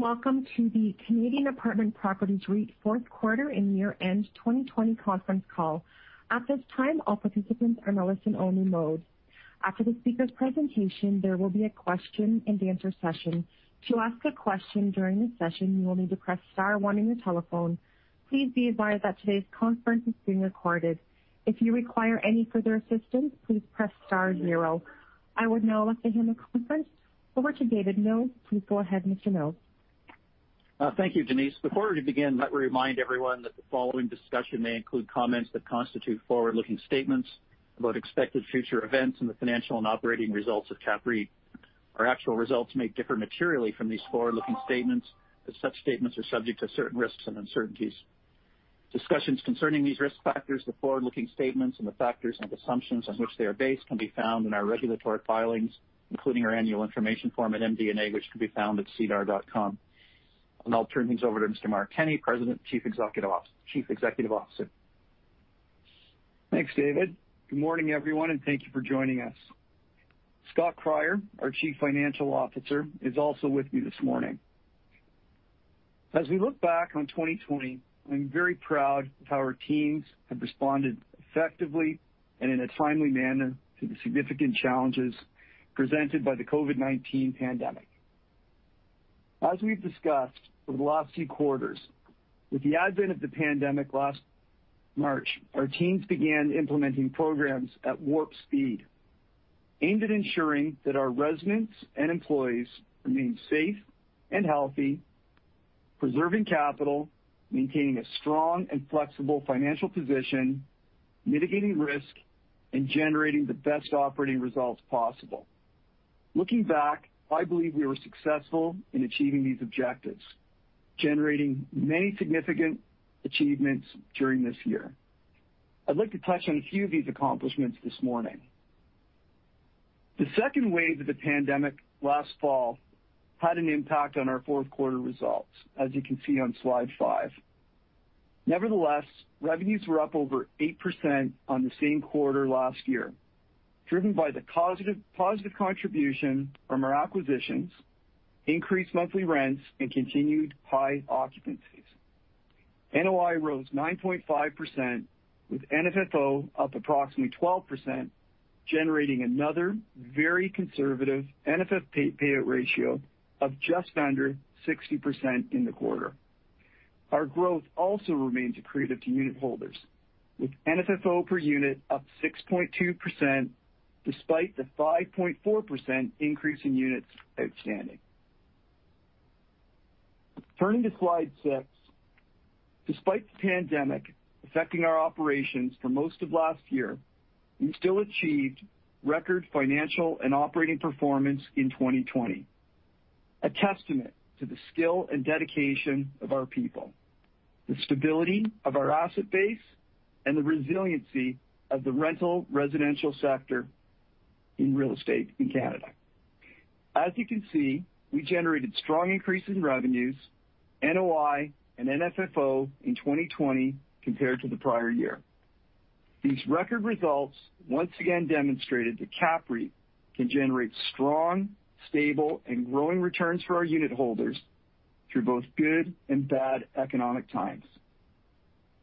Welcome to the Canadian Apartment Properties REIT fourth quarter and year-end 2020 conference call. At this time all participants are in a listen-only mode. After the speakers' presentation there will be a question and answer session. To ask a question during the session you will need to press star one on your telephone. Please be advised that today's conference is being recorded. If you require any further assistance, please press star zero. I would now like to hand the conference over to David Mills. Please go ahead, Mr. Mills. Thank you, Denise. Before we begin, let me remind everyone that the following discussion may include comments that constitute forward-looking statements about expected future events and the financial and operating results of CAPREIT. Our actual results may differ materially from these forward-looking statements, as such statements are subject to certain risks and uncertainties. Discussions concerning these risk factors, the forward-looking statements, and the factors and assumptions on which they are based can be found in our regulatory filings, including our annual information form and MD&A, which can be found at sedar.com. I'll turn things over to Mr. Mark Kenney, President Chief Executive Officer. Thanks, David. Good morning, everyone, and thank you for joining us. Scott Cryer, our Chief Financial Officer, is also with me this morning. As we look back on 2020, I'm very proud of how our teams have responded effectively and in a timely manner to the significant challenges presented by the COVID-19 pandemic. As we've discussed over the last few quarters, with the advent of the pandemic last March, our teams began implementing programs at warp speed aimed at ensuring that our residents and employees remain safe and healthy, preserving capital, maintaining a strong and flexible financial position, mitigating risk, and generating the best operating results possible. Looking back, I believe we were successful in achieving these objectives, generating many significant achievements during this year. I'd like to touch on a few of these accomplishments this morning. The second wave of the pandemic last fall had an impact on our fourth quarter results, as you can see on slide five. Nevertheless, revenues were up over 8% on the same quarter last year, driven by the positive contribution from our acquisitions, increased monthly rents, and continued high occupancies. NOI rose 9.5%, with NFFO up approximately 12%, generating another very conservative NFFO payout ratio of just under 60% in the quarter. Our growth also remains accretive to unitholders, with NFFO per unit up 6.2%, despite the 5.4% increase in units outstanding. Turning to slide six, despite the pandemic affecting our operations for most of last year, we still achieved record financial and operating performance in 2020, a testament to the skill and dedication of our people, the stability of our asset base, and the resiliency of the rental residential sector in real estate in Canada. As you can see, we generated strong increases in revenues, NOI, and NFFO in 2020 compared to the prior year. These record results once again demonstrated that CAPREIT can generate strong, stable, and growing returns for our unitholders through both good and bad economic times.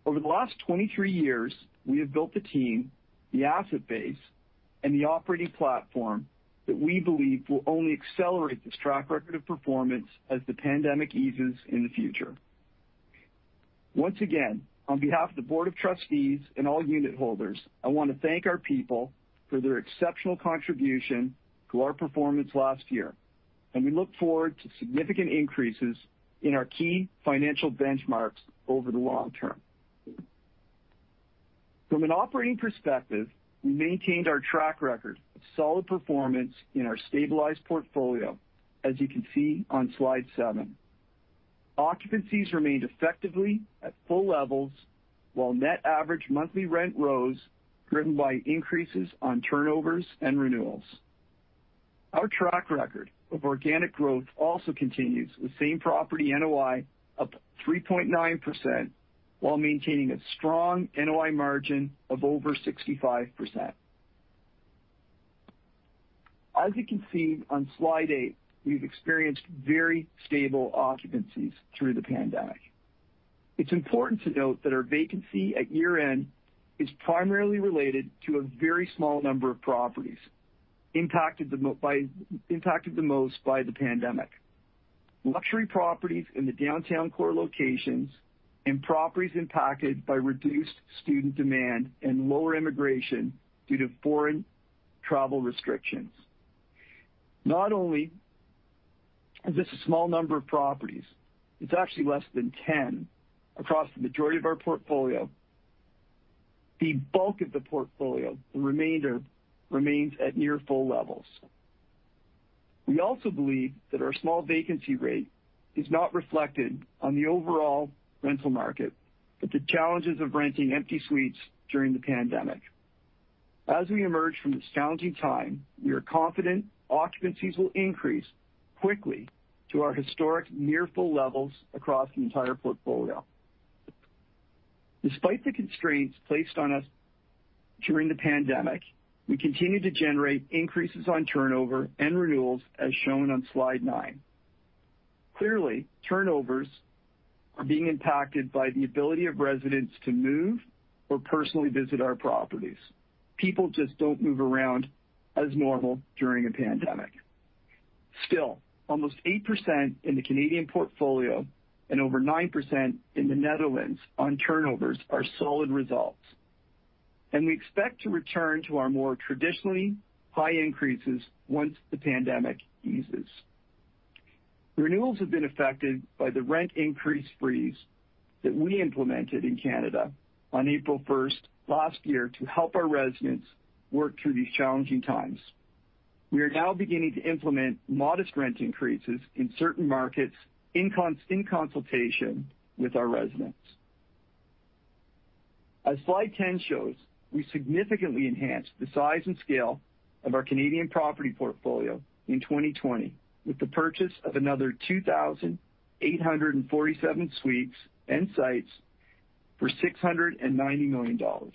Over the last 23 years, we have built the team, the asset base, and the operating platform that we believe will only accelerate this track record of performance as the pandemic eases in the future. Once again, on behalf of the Board of Trustees and all unitholders, I want to thank our people for their exceptional contribution to our performance last year, and we look forward to significant increases in our key financial benchmarks over the long term. From an operating perspective, we maintained our track record of solid performance in our stabilized portfolio, as you can see on slide seven. Occupancies remained effectively at full levels while net average monthly rent rose, driven by increases on turnovers and renewals. Our track record of organic growth also continues with same property NOI up 3.9%, while maintaining a strong NOI margin of over 65%. As you can see on slide eight, we've experienced very stable occupancies through the pandemic. It's important to note that our vacancy at year-end is primarily related to a very small number of properties impacted the most by the pandemic, luxury properties in the downtown core locations and properties impacted by reduced student demand and lower immigration due to foreign travel restrictions. Not only is this a small number of properties, it's actually less than 10 across the majority of our portfolio. The bulk of the portfolio, the remainder, remains at near full levels. We also believe that our small vacancy rate is not reflected on the overall rental market, but the challenges of renting empty suites during the pandemic. As we emerge from this challenging time, we are confident occupancies will increase quickly to our historic near full levels across the entire portfolio. Despite the constraints placed on us during the pandemic, we continued to generate increases on turnover and renewals, as shown on slide nine. Clearly, turnovers are being impacted by the ability of residents to move or personally visit our properties. People just don't move around as normal during a pandemic. Still, almost 8% in the Canadian portfolio and over 9% in the Netherlands on turnovers are solid results. We expect to return to our more traditionally high increases once the pandemic eases. Renewals have been affected by the rent increase freeze that we implemented in Canada on April 1st last year to help our residents work through these challenging times. We are now beginning to implement modest rent increases in certain markets in consultation with our residents. As slide 10 shows, we significantly enhanced the size and scale of our Canadian property portfolio in 2020 with the purchase of another 2,847 suites and sites for 690 million dollars.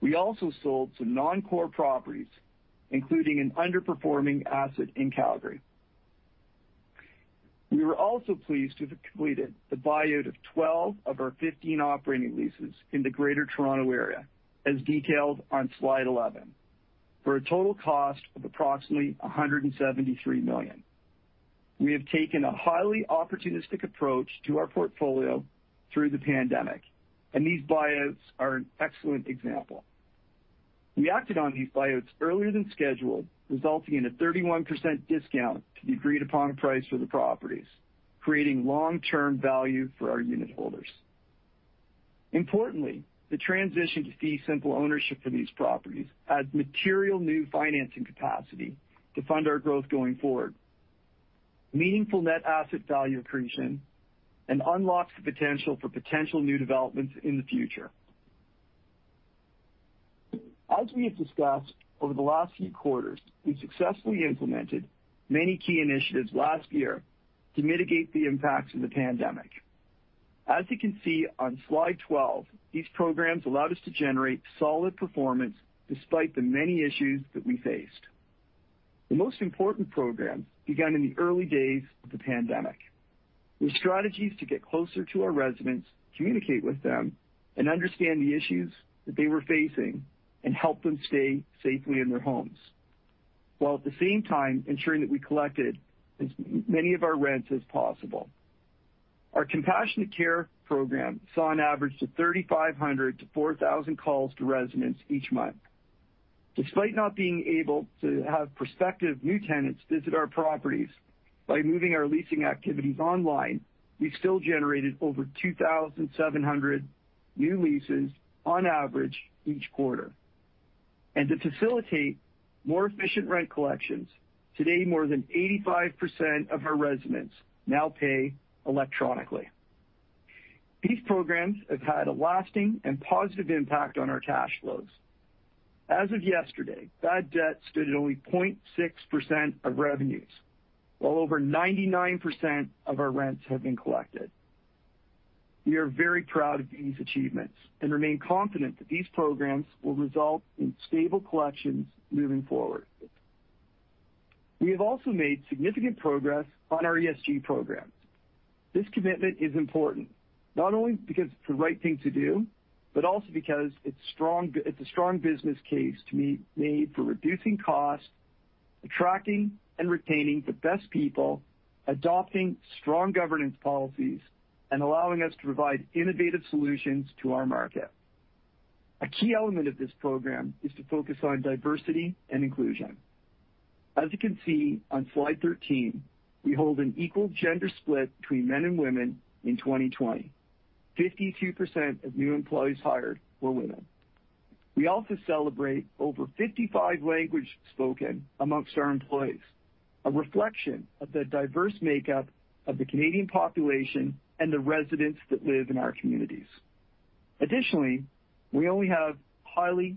We also sold some non-core properties, including an underperforming asset in Calgary. We were also pleased to have completed the buyout of 12 of our 15 operating leases in the Greater Toronto Area, as detailed on Slide 11, for a total cost of approximately 173 million. We have taken a highly opportunistic approach to our portfolio through the pandemic, and these buyouts are an excellent example. We acted on these buyouts earlier than scheduled, resulting in a 31% discount to the agreed-upon price for the properties, creating long-term value for our unit holders. Importantly, the transition to fee simple ownership for these properties adds material new financing capacity to fund our growth going forward, meaningful net asset value accretion, and unlocks the potential for potential new developments in the future. As we have discussed over the last few quarters, we successfully implemented many key initiatives last year to mitigate the impacts of the pandemic. As you can see on slide 12, these programs allowed us to generate solid performance despite the many issues that we faced. The most important program began in the early days of the pandemic with strategies to get closer to our residents, communicate with them, and understand the issues that they were facing, and help them stay safely in their homes, while at the same time ensuring that we collected as many of our rents as possible. Our Compassionate Care program saw an average 3,500-4,000 calls to residents each month. Despite not being able to have prospective new tenants visit our properties, by moving our leasing activities online, we still generated over 2,700 new leases on average each quarter. To facilitate more efficient rent collections, today more than 85% of our residents now pay electronically. These programs have had a lasting and positive impact on our cash flows. As of yesterday, bad debts stood at only 0.6% of revenues, while over 99% of our rents have been collected. We are very proud of these achievements and remain confident that these programs will result in stable collections moving forward. We have also made significant progress on our ESG programs. This commitment is important, not only because it's the right thing to do, but also because it's a strong business case to be made for reducing costs, attracting and retaining the best people, adopting strong governance policies, and allowing us to provide innovative solutions to our market. A key element of this program is to focus on diversity and inclusion. As you can see on slide 13, we hold an equal gender split between men and women in 2020. 52% of new employees hired were women. We also celebrate over 55 languages spoken amongst our employees, a reflection of the diverse makeup of the Canadian population and the residents that live in our communities. Additionally, we have a highly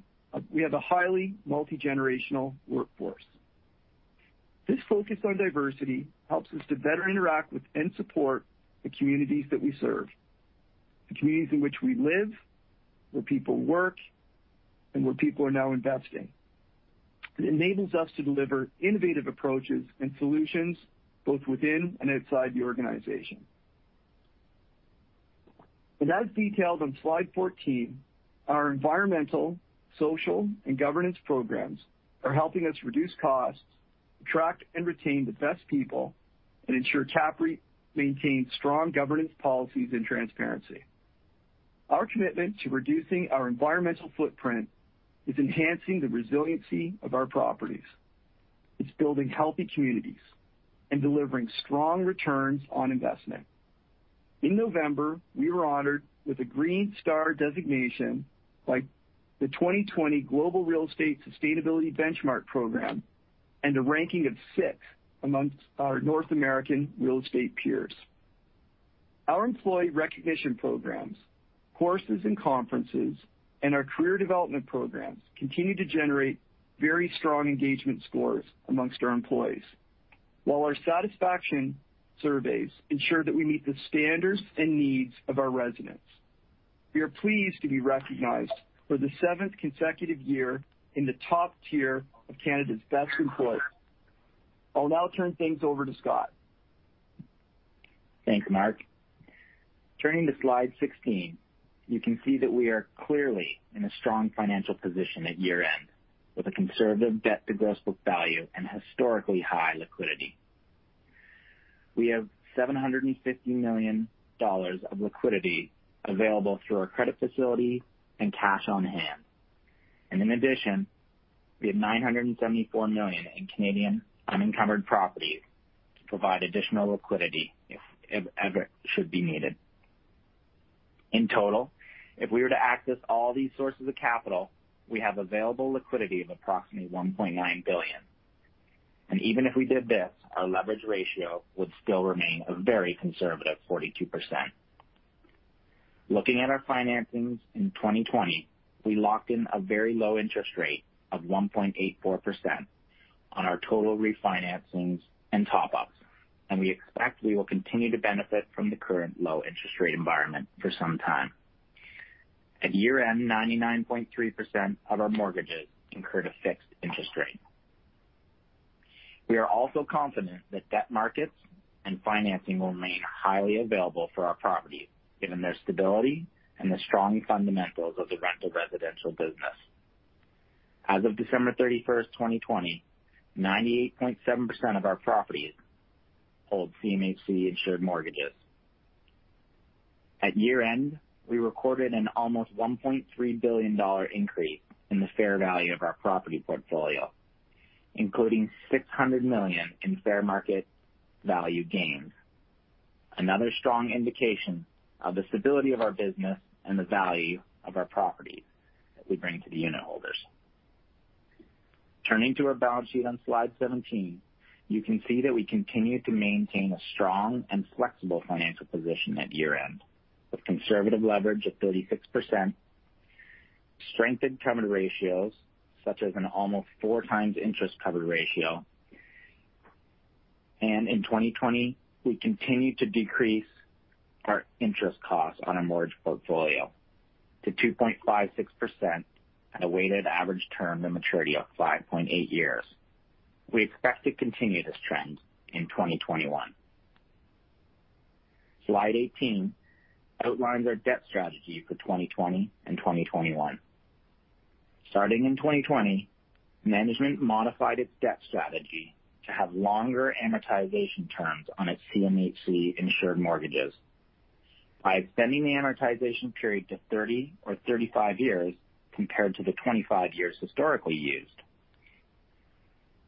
multi-generational workforce. This focus on diversity helps us to better interact with and support the communities that we serve, the communities in which we live, where people work, and where people are now investing. It enables us to deliver innovative approaches and solutions both within and outside the organization. As detailed on slide 14, our environmental, social, and governance programs are helping us reduce costs, attract and retain the best people, and ensure CAPREIT maintains strong governance policies and transparency. Our commitment to reducing our environmental footprint is enhancing the resiliency of our properties. It's building healthy communities and delivering strong returns on investment. In November, we were honored with a Green Star designation by the 2020 Global Real Estate Sustainability Benchmark program and a ranking of six amongst our North American real estate peers. Our employee recognition programs, courses, and conferences, and our career development programs continue to generate very strong engagement scores amongst our employees. While our satisfaction surveys ensure that we meet the standards and needs of our residents. We are pleased to be recognized for the seventh consecutive year in the top tier of Canada's Best Employers. I'll now turn things over to Scott. Thanks, Mark. Turning to slide 16, you can see that we are clearly in a strong financial position at year-end, with a conservative debt to gross book value and historically high liquidity. We have 750 million dollars of liquidity available through our credit facility and cash on hand. In addition, we have 974 million in Canadian unencumbered properties to provide additional liquidity if ever it should be needed. In total, if we were to access all these sources of capital, we have available liquidity of approximately 1.9 billion. Even if we did this, our leverage ratio would still remain a very conservative 42%. Looking at our financings in 2020, we locked in a very low interest rate of 1.84% on our total refinancings and top-ups, and we expect we will continue to benefit from the current low interest rate environment for some time. At year-end, 99.3% of our mortgages incurred a fixed interest rate. We are also confident that debt markets and financing will remain highly available for our properties, given their stability and the strong fundamentals of the rental residential business. As of December 31st, 2020, 98.7% of our properties hold CMHC-insured mortgages. At year-end, we recorded an almost 1.3 billion dollar increase in the fair value of our property portfolio, including 600 million in fair market value gains. Another strong indication of the stability of our business and the value of our properties that we bring to the unitholders. Turning to our balance sheet on slide 17, you can see that we continue to maintain a strong and flexible financial position at year-end, with conservative leverage of 36%, strengthened covenant ratios, such as an almost four 4x interest cover ratio. In 2020, we continued to decrease our interest costs on our mortgage portfolio to 2.56% at a weighted average term to maturity of 5.8 years. We expect to continue this trend in 2021. Slide 18 outlines our debt strategy for 2020 and 2021. Starting in 2020, management modified its debt strategy to have longer amortization terms on its CMHC-insured mortgages by extending the amortization period to 30 or 35 years compared to the 25 years historically used.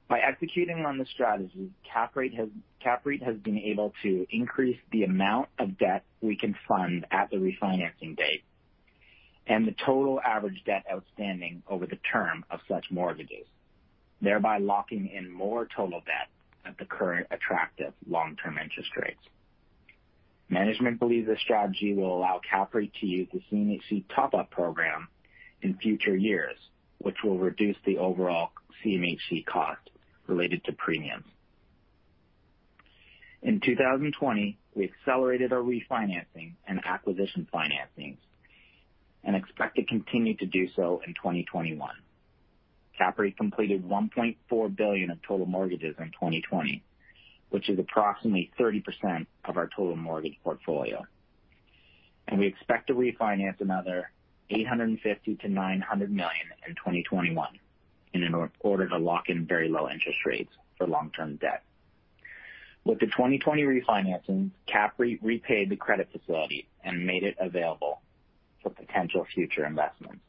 By executing on this strategy, CAPREIT has been able to increase the amount of debt we can fund at the refinancing date and the total average debt outstanding over the term of such mortgages, thereby locking in more total debt at the current attractive long-term interest rates. Management believes this strategy will allow CAPREIT to use the CMHC top-up program in future years, which will reduce the overall CMHC cost related to premiums. In 2020, we accelerated our refinancing and acquisition financings and expect to continue to do so in 2021. CAPREIT completed 1.4 billion of total mortgages in 2020, which is approximately 30% of our total mortgage portfolio. We expect to refinance another 850 million-900 million in 2021 in order to lock in very low interest rates for long-term debt. With the 2020 refinancing, CAPREIT repaid the credit facility and made it available for potential future investments.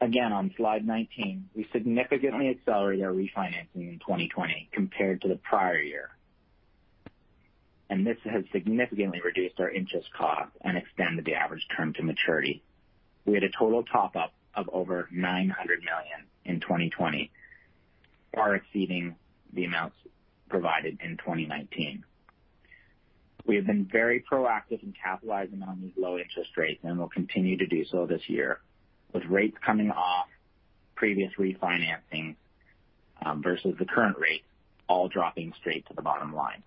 Again, on slide 19, we significantly accelerated our refinancing in 2020 compared to the prior year, and this has significantly reduced our interest cost and extended the average term to maturity. We had a total top-up of over 900 million in 2020, far exceeding the amounts provided in 2019. We have been very proactive in capitalizing on these low interest rates and will continue to do so this year, with rates coming off previous refinancing versus the current rate, all dropping straight to the bottom line.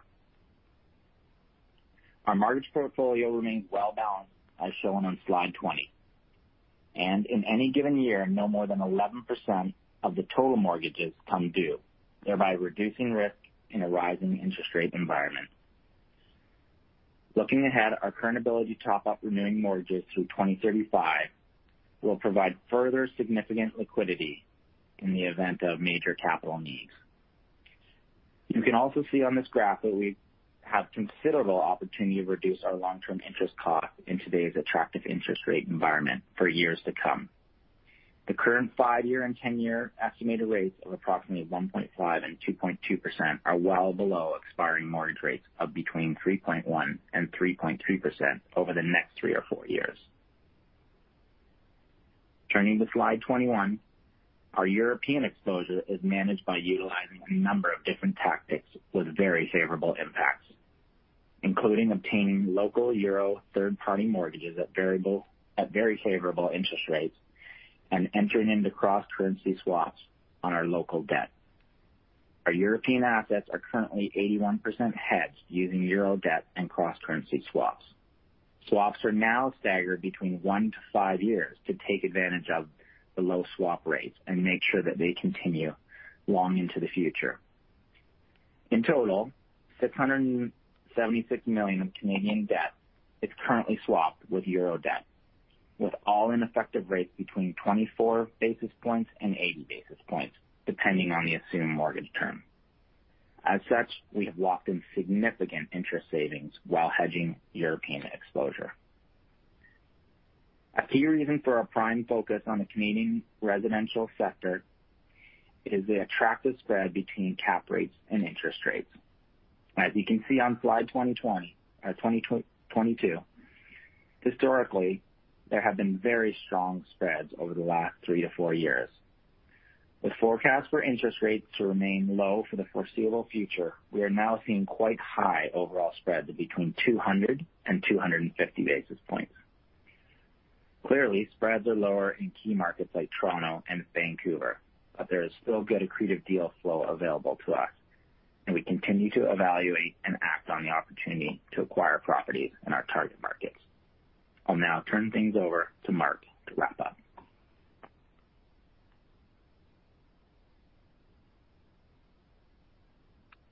Our mortgage portfolio remains well-balanced, as shown on slide 20. In any given year, no more than 11% of the total mortgages come due, thereby reducing risk in a rising interest rate environment. Looking ahead, our current ability to top up renewing mortgages through 2035 will provide further significant liquidity in the event of major capital needs. You can also see on this graph that we have considerable opportunity to reduce our long-term interest cost in today's attractive interest rate environment for years to come. The current five-year and 10-year estimated rates of approximately 1.5% and 2.2% are well below expiring mortgage rates of between 3.1%-3.3% over the next three or four years. Turning to slide 21, our European exposure is managed by utilizing a number of different tactics with very favorable impacts. Including obtaining local euro third-party mortgages at very favorable interest rates and entering into cross-currency swaps on our local debt. Our European assets are currently 81% hedged using euro debt and cross-currency swaps. Swaps are now staggered between one to five years to take advantage of the low swap rates and make sure that they continue long into the future. In total, 676 million of Canadian debt is currently swapped with EUR debt, with all-in effective rates between 24 basis points and 80 basis points, depending on the assumed mortgage term. As such, we have locked in significant interest savings while hedging European exposure. A key reason for our prime focus on the Canadian residential sector is the attractive spread between cap rates and interest rates. As you can see on slide 22, historically, there have been very strong spreads over the last three to four years. With forecasts for interest rates to remain low for the foreseeable future, we are now seeing quite high overall spreads between 200 and 250 basis points. Clearly, spreads are lower in key markets like Toronto and Vancouver, there is still good accretive deal flow available to us, and we continue to evaluate and act on the opportunity to acquire properties in our target markets. I'll now turn things over to Mark to wrap up.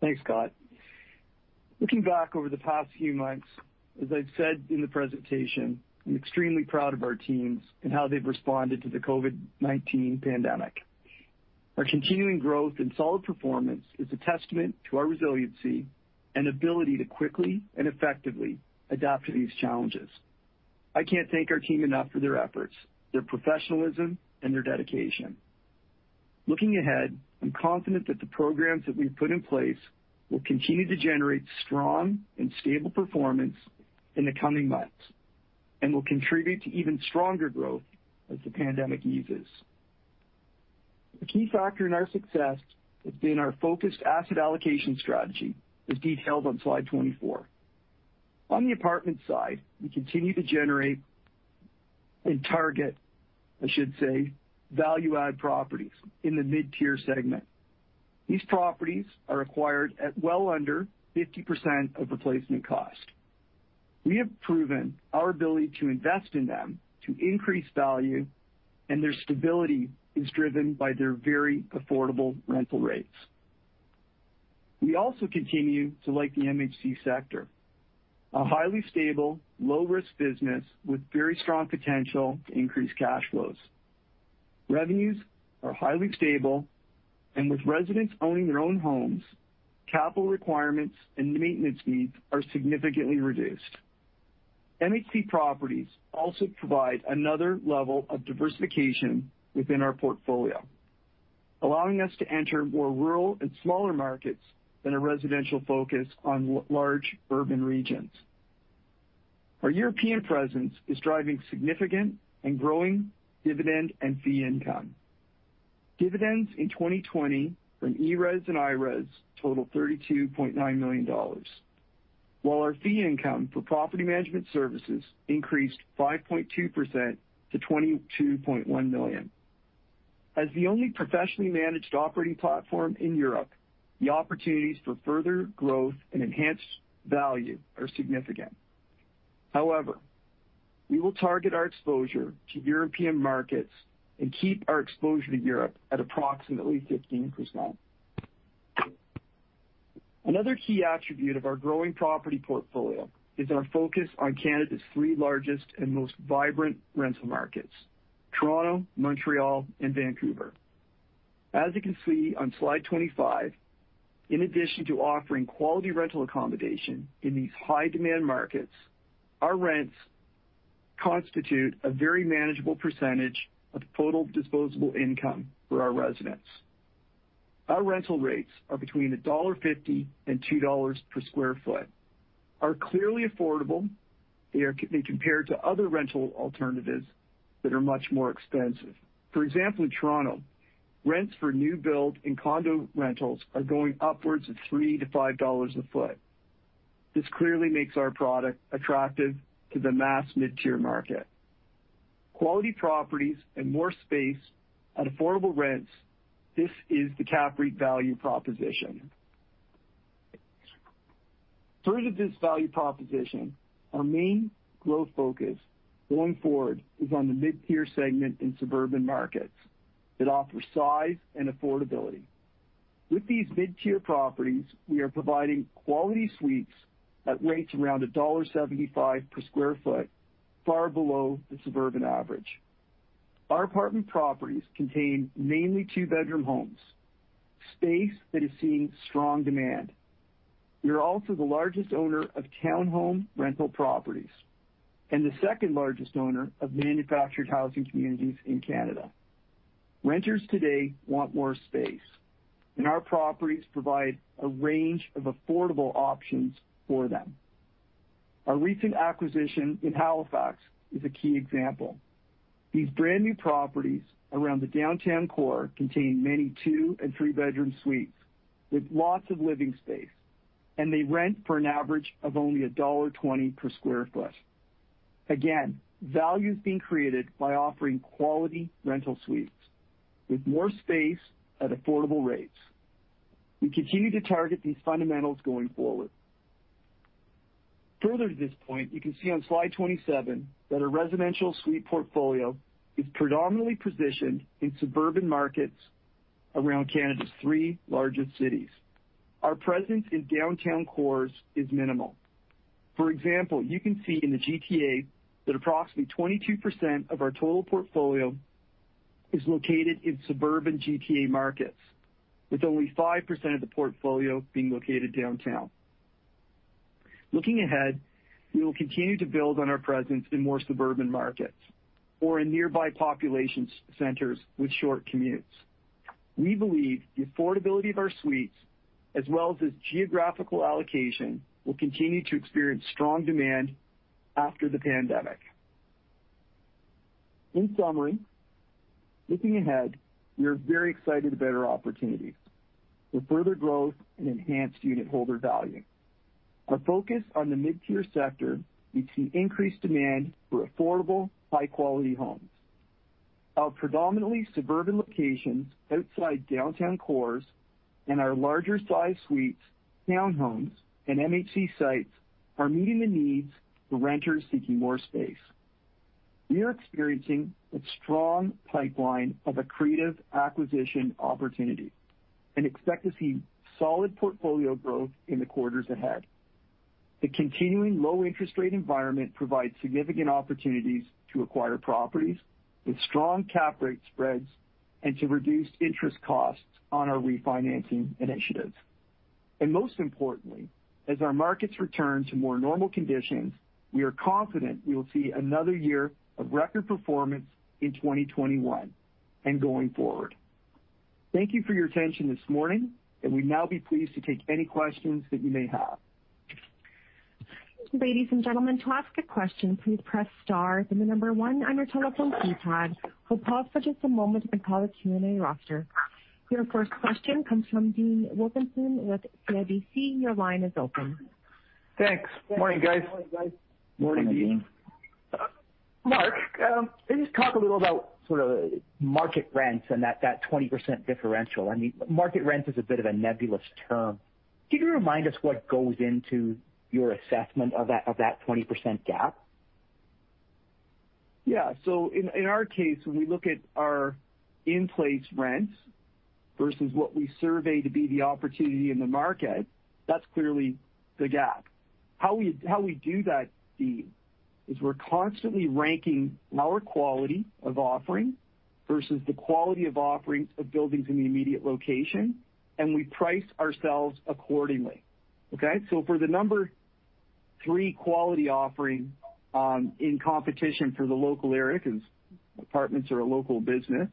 Thanks, Scott. Looking back over the past few months, as I've said in the presentation, I'm extremely proud of our teams and how they've responded to the COVID-19 pandemic. Our continuing growth and solid performance is a testament to our resiliency and ability to quickly and effectively adapt to these challenges. I can't thank our team enough for their efforts, their professionalism, and their dedication. Looking ahead, I'm confident that the programs that we've put in place will continue to generate strong and stable performance in the coming months and will contribute to even stronger growth as the pandemic eases. A key factor in our success has been our focused asset allocation strategy, as detailed on slide 24. On the apartment side, we continue to generate and target, I should say, value-add properties in the mid-tier segment. These properties are acquired at well under 50% of replacement cost. We have proven our ability to invest in them to increase value, and their stability is driven by their very affordable rental rates. We also continue to like the MHC sector, a highly stable, low-risk business with very strong potential to increase cash flows. Revenues are highly stable, and with residents owning their own homes, capital requirements and maintenance needs are significantly reduced. MHC properties also provide another level of diversification within our portfolio, allowing us to enter more rural and smaller markets than a residential focus on large urban regions. Our European presence is driving significant and growing dividend and fee income. Dividends in 2020 from ERES and IRES totaled 32.9 million dollars, while our fee income for property management services increased 5.2% to 22.1 million. As the only professionally managed operating platform in Europe, the opportunities for further growth and enhanced value are significant. However, we will target our exposure to European markets and keep our exposure to Europe at approximately 15%. Another key attribute of our growing property portfolio is our focus on Canada's three largest and most vibrant rental markets, Toronto, Montreal, and Vancouver. As you can see on slide 25, in addition to offering quality rental accommodation in these high-demand markets, our rents constitute a very manageable percentage of total disposable income for our residents. Our rental rates are between dollar 1.50 and 2.00 dollars per square foot are clearly affordable when compared to other rental alternatives that are much more expensive. For example, in Toronto, rents for new build and condo rentals are going upwards of 3-5 dollars per square foot. This clearly makes our product attractive to the mass mid-tier market. Quality properties and more space at affordable rents, this is the CAPREIT value proposition. Through this value proposition, our main growth focus going forward is on the mid-tier segment in suburban markets that offer size and affordability. With these mid-tier properties, we are providing quality suites at rates around dollar 1.75 per square foot, far below the suburban average. Our apartment properties contain mainly two-bedroom homes, space that is seeing strong demand. We are also the largest owner of townhome rental properties and the second-largest owner of manufactured housing communities in Canada. Renters today want more space, and our properties provide a range of affordable options for them. Our recent acquisition in Halifax is a key example. These brand-new properties around the downtown core contain many two and three-bedroom suites with lots of living space, and they rent for an average of only dollar 1.20 per square foot. Again, value is being created by offering quality rental suites with more space at affordable rates. We continue to target these fundamentals going forward. Further to this point, you can see on slide 27 that our residential suite portfolio is predominantly positioned in suburban markets around Canada's three largest cities. Our presence in downtown cores is minimal. For example, you can see in the GTA that approximately 22% of our total portfolio is located in suburban GTA markets, with only 5% of the portfolio being located downtown. Looking ahead, we will continue to build on our presence in more suburban markets or in nearby population centers with short commutes. We believe the affordability of our suites, as well as its geographical allocation, will continue to experience strong demand after the pandemic. In summary, looking ahead, we are very excited about our opportunities for further growth and enhanced unitholder value. Our focus on the mid-tier sector meets the increased demand for affordable, high-quality homes. Our predominantly suburban locations outside downtown cores and our larger size suites, townhomes, and MHC sites are meeting the needs for renters seeking more space. We are experiencing a strong pipeline of accretive acquisition opportunities and expect to see solid portfolio growth in the quarters ahead. The continuing low interest rate environment provides significant opportunities to acquire properties with strong cap rate spreads and to reduce interest costs on our refinancing initiatives. Most importantly, as our markets return to more normal conditions, we are confident we will see another year of record performance in 2021 and going forward. Thank you for your attention this morning, and we'd now be pleased to take any questions that you may have. Ladies and gentlemen, to ask a question, please press star, then the number one on your telephone keypad. We'll pause for just a moment and call a Q and A roster. Your first question comes from Dean Wilkinson with CIBC. Your line is open. Thanks. Morning, guys. Morning, Dean. Mark, can you just talk a little about market rents and that 20% differential? Market rent is a bit of a nebulous term. Can you remind us what goes into your assessment of that 20% gap? Yeah. In our case, when we look at our in-place rents versus what we survey to be the opportunity in the market, that's clearly the gap. How we do that, Dean, is we're constantly ranking our quality of offering versus the quality of offerings of buildings in the immediate location, and we price ourselves accordingly. Okay? For the number three quality offering in competition for the local area, because apartments are a local business,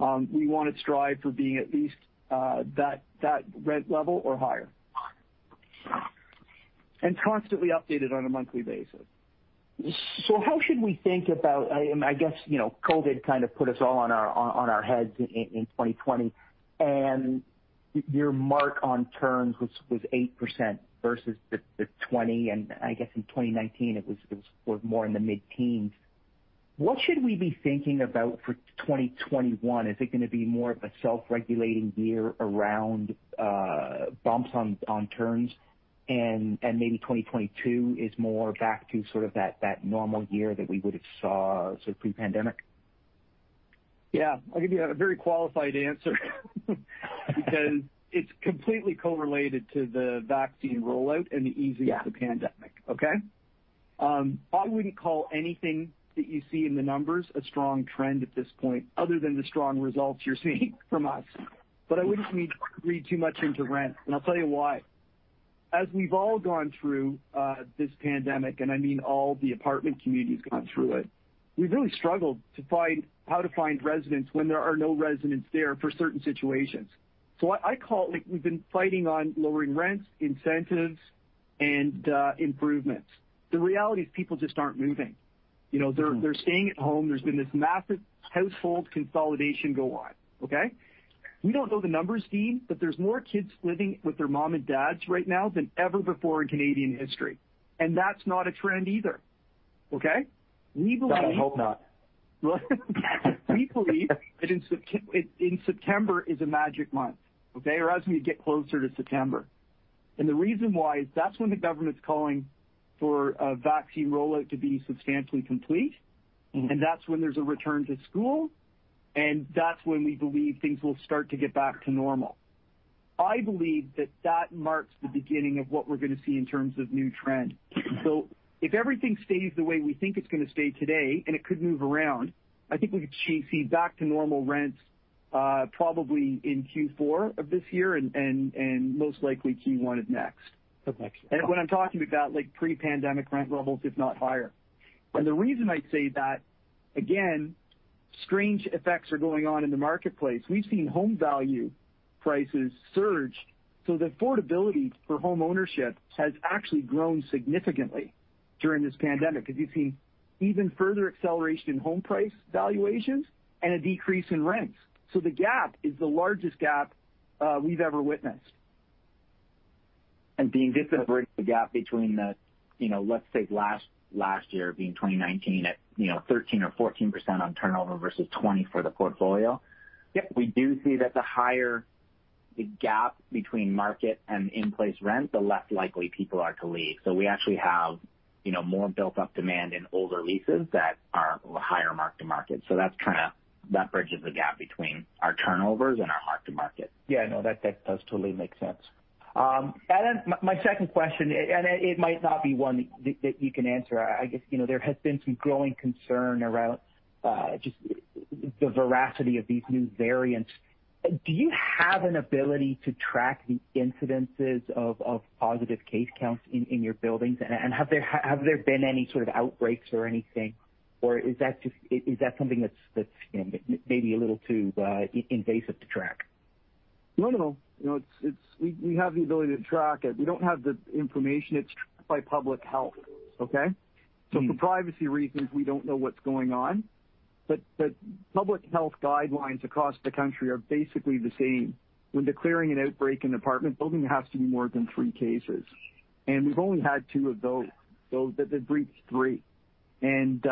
we want to strive for being at least that rent level or higher. Constantly update it on a monthly basis. How should we think about, I guess, COVID kind of put us all on our heads in 2020, your mark on turns was 8% versus the 20%, I guess in 2019, it was more in the mid-teens. What should we be thinking about for 2021? Is it going to be more of a self-regulating year around bumps on turns and maybe 2022 is more back to that normal year that we would have saw pre-pandemic? Yeah. I'll give you a very qualified answer because it's completely correlated to the vaccine rollout and the easing of the pandemic. Okay? I wouldn't call anything that you see in the numbers a strong trend at this point, other than the strong results you're seeing from us. I wouldn't read too much into rent, and I'll tell you why. As we've all gone through this pandemic, and I mean all the apartment communities gone through it, we've really struggled how to find residents when there are no residents there for certain situations. We've been fighting on lowering rents, incentives, and improvements. The reality is people just aren't moving. They're staying at home. There's been this massive household consolidation go on. Okay? We don't know the numbers, Dean, but there's more kids living with their mom and dads right now than ever before in Canadian history. That's not a trend either. Okay. That I hope not. We believe that September is a magic month. Okay? Or as we get closer to September. The reason why is that's when the government's calling for a vaccine rollout to be substantially complete, and that's when there's a return to school, and that's when we believe things will start to get back to normal. I believe that that marks the beginning of what we're going to see in terms of new trends. If everything stays the way we think it's going to stay today, and it could move around, I think we could see back to normal rents probably in Q4 of this year and most likely Q1 of next. Of next year. When I'm talking about pre-pandemic rent levels, if not higher. The reason I say that, again, strange effects are going on in the marketplace. We've seen home value prices surge, so the affordability for home ownership has actually grown significantly during this pandemic because you've seen even further acceleration in home price valuations and a decrease in rents. The gap is the largest gap we've ever witnessed. Dean this is a bridge, the gap between the, let's say last year being 2019 at 13% or 14% on turnover versus 20% for the portfolio? Yep. We do see that the higher the gap between market and in-place rent, the less likely people are to leave. We actually have more built-up demand in older leases that are higher mark-to-market. That bridges the gap between our turnovers and our mark-to-market. Yeah, no, that does totally make sense. My second question, it might not be one that you can answer. I guess, there has been some growing concern around just the veracity of these new variants. Do you have an ability to track the incidences of positive case counts in your buildings? Have there been any sort of outbreaks or anything? Is that something that's maybe a little too invasive to track? No, no. We have the ability to track it. We don't have the information. It's tracked by public health. Okay? For privacy reasons, we don't know what's going on, but public health guidelines across the country are basically the same. When declaring an outbreak in an apartment building, it has to be more than three cases. We've only had two of those that breached three, and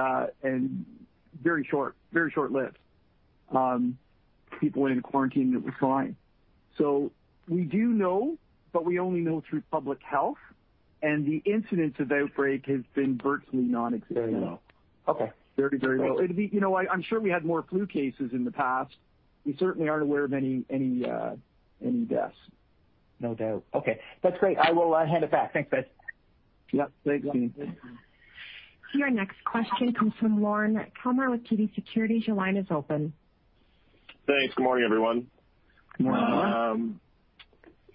very short-lived. People went into quarantine, and it was fine. We do know, but we only know through public health, and the incidence of outbreak has been virtually nonexistent. Very, very well. Okay. I'm sure we had more flu cases in the past. We certainly aren't aware of any deaths. No doubt. Okay. That's great. I will hand it back. Thanks, guys. Yep. Thanks. Your next question comes from Lorne Kalmar with TD Securities. Your line is open. Thanks. Good morning, everyone. Good morning,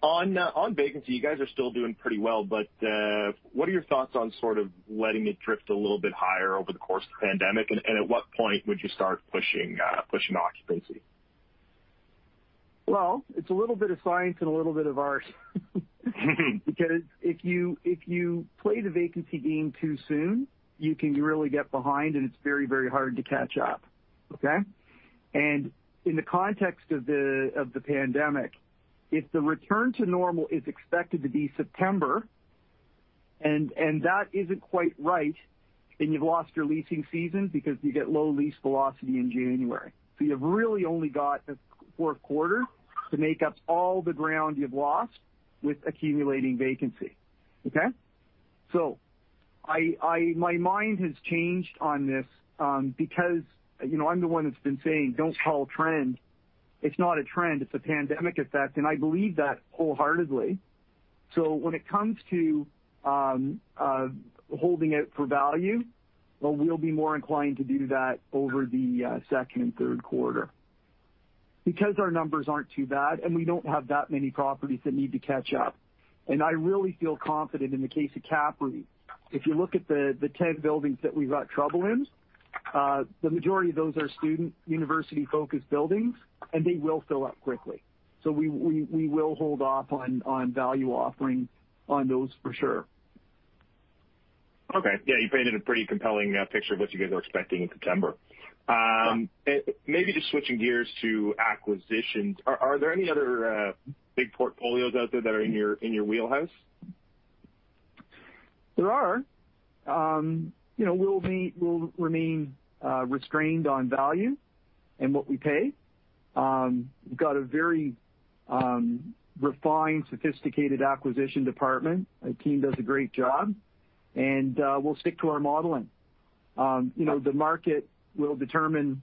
Lorne. On vacancy, you guys are still doing pretty well, but what are your thoughts on sort of letting it drift a little bit higher over the course of the pandemic? At what point would you start pushing occupancy? Well, it's a little bit of science and a little bit of art because if you play the vacancy game too soon, you can really get behind, and it's very, very hard to catch up. Okay. In the context of the pandemic, if the return to normal is expected to be September, and that isn't quite right, then you've lost your leasing season because you get low lease velocity in January. You've really only got a fourth quarter to make up all the ground you've lost with accumulating vacancy. Okay. My mind has changed on this because I'm the one that's been saying, "Don't call a trend. It's not a trend. It's a pandemic effect." I believe that wholeheartedly. When it comes to holding out for value, we'll be more inclined to do that over the second and third quarter because our numbers aren't too bad, and we don't have that many properties that need to catch up. I really feel confident in the case of CAPREIT. If you look at the 10 buildings that we've got trouble in, the majority of those are student, university-focused buildings, and they will fill up quickly. We will hold off on value offering on those for sure. Okay. Yeah, you painted a pretty compelling picture of what you guys are expecting in September. Yeah. Maybe just switching gears to acquisitions. Are there any other big portfolios out there that are in your wheelhouse? There are. We'll remain restrained on value and what we pay. We've got a very refined, sophisticated acquisition department. Our team does a great job, and we'll stick to our modeling. The market will determine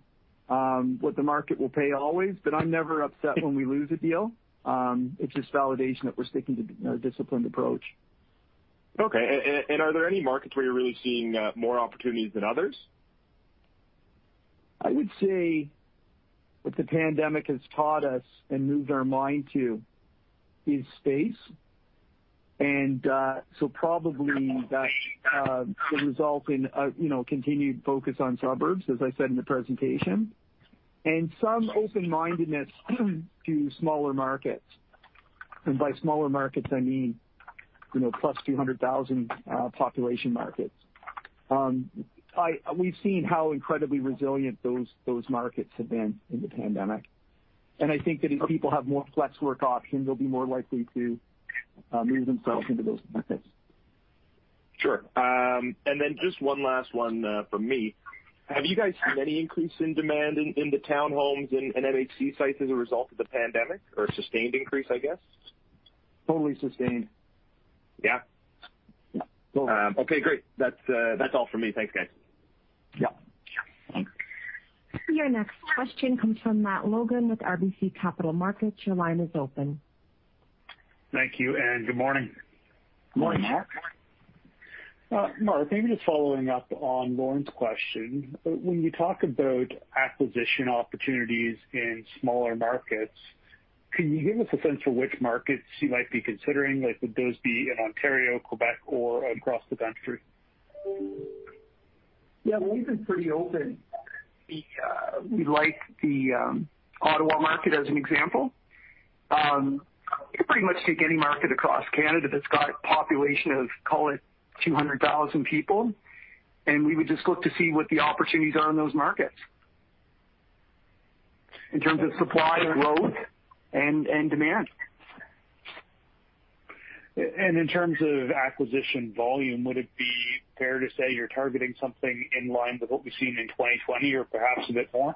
what the market will pay always, but I'm never upset when we lose a deal. It's just validation that we're sticking to a disciplined approach. Okay. Are there any markets where you're really seeing more opportunities than others? I would say what the pandemic has taught us and moved our mind to is space. Probably that will result in a continued focus on suburbs, as I said in the presentation, and some open-mindedness to smaller markets. By smaller markets, I mean plus 200,000 population markets. We've seen how incredibly resilient those markets have been in the pandemic, and I think that if people have more flex work options, they'll be more likely to move themselves into those markets. Sure. Just one last one from me. Have you guys seen any increase in demand in the townhomes and MHC sites as a result of the pandemic, or a sustained increase, I guess? Totally sustained. Yeah? Yeah. Okay, great. That's all from me. Thanks, guys. Yep. Yeah. Thanks. Your next question comes from Matt Logan with RBC Capital Markets. Your line is open. Thank you, and good morning. Good morning, Matt. Mark, maybe just following up on Lorne's question. When you talk about acquisition opportunities in smaller markets. Can you give us a sense for which markets you might be considering? Would those be in Ontario, Quebec, or across the country? Yeah. We've been pretty open. We like the Ottawa market, as an example. We could pretty much take any market across Canada that's got a population of, call it 200,000 people. We would just look to see what the opportunities are in those markets in terms of supply, growth, and demand. In terms of acquisition volume, would it be fair to say you're targeting something in line with what we've seen in 2020 or perhaps a bit more?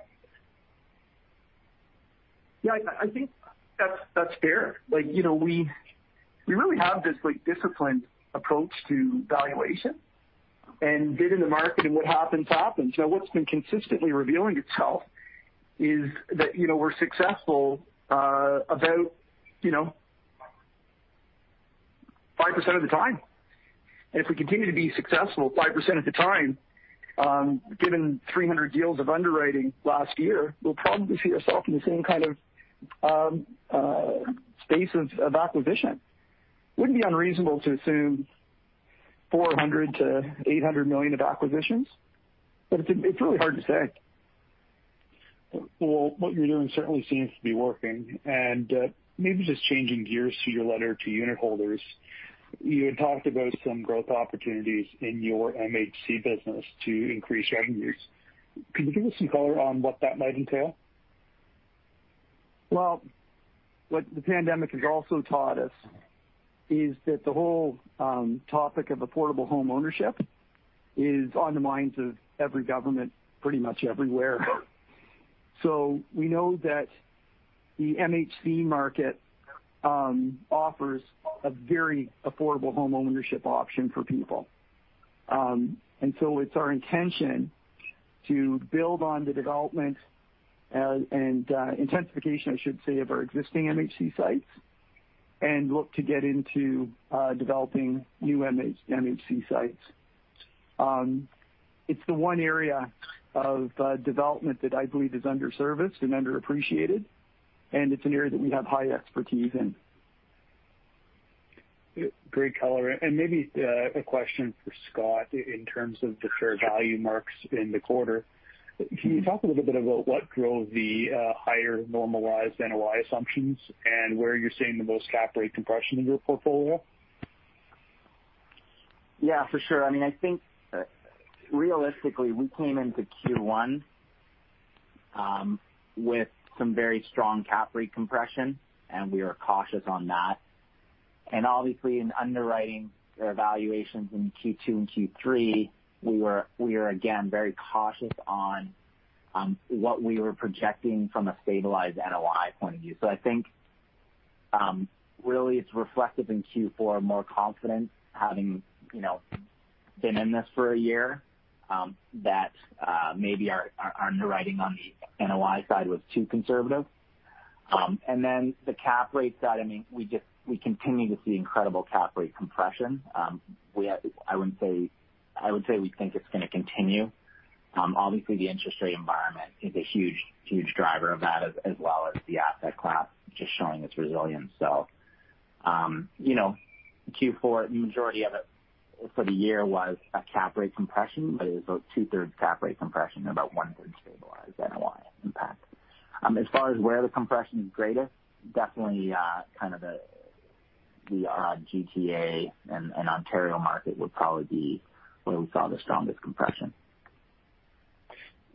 Yeah, I think that's fair. We really have this disciplined approach to valuation and bid in the market, and what happens. What's been consistently revealing itself is that we're successful about 5% of the time. If we continue to be successful 5% of the time, given 300 deals of underwriting last year, we'll probably see ourself in the same kind of space of acquisition. Wouldn't be unreasonable to assume 400 million-800 million of acquisitions, but it's really hard to say. Well, what you're doing certainly seems to be working. Maybe just changing gears to your letter to unit holders, you had talked about some growth opportunities in your MHC business to increase revenues. Could you give us some color on what that might entail? What the pandemic has also taught us is that the whole topic of affordable homeownership is on the minds of every government pretty much everywhere. We know that the MHC market offers a very affordable homeownership option for people. It's our intention to build on the development and intensification, I should say, of our existing MHC sites and look to get into developing new MHC sites. It's the one area of development that I believe is under-serviced and underappreciated, and it's an area that we have high expertise in. Great color. Maybe a question for Scott in terms of the fair value marks in the quarter. Can you talk a little bit about what drove the higher normalized NOI assumptions and where you're seeing the most cap rate compression in your portfolio? Yeah, for sure. I think realistically, we came into Q1 with some very strong cap rate compression, and we are cautious on that. Obviously in underwriting our evaluations in Q2 and Q3, we are again very cautious on what we were projecting from a stabilized NOI point of view. I think really it's reflective in Q4, more confident having been in this for a year, that maybe our underwriting on the NOI side was too conservative. Then the cap rate side, we continue to see incredible cap rate compression. I would say we think it's going to continue. Obviously, the interest rate environment is a huge driver of that, as well as the asset class just showing its resilience. Q4, the majority of it for the year was a cap rate compression, but it was about two-thirds cap rate compression and about one-third stabilized NOI impact. As far as where the compression is greatest, definitely the GTA and Ontario market would probably be where we saw the strongest compression.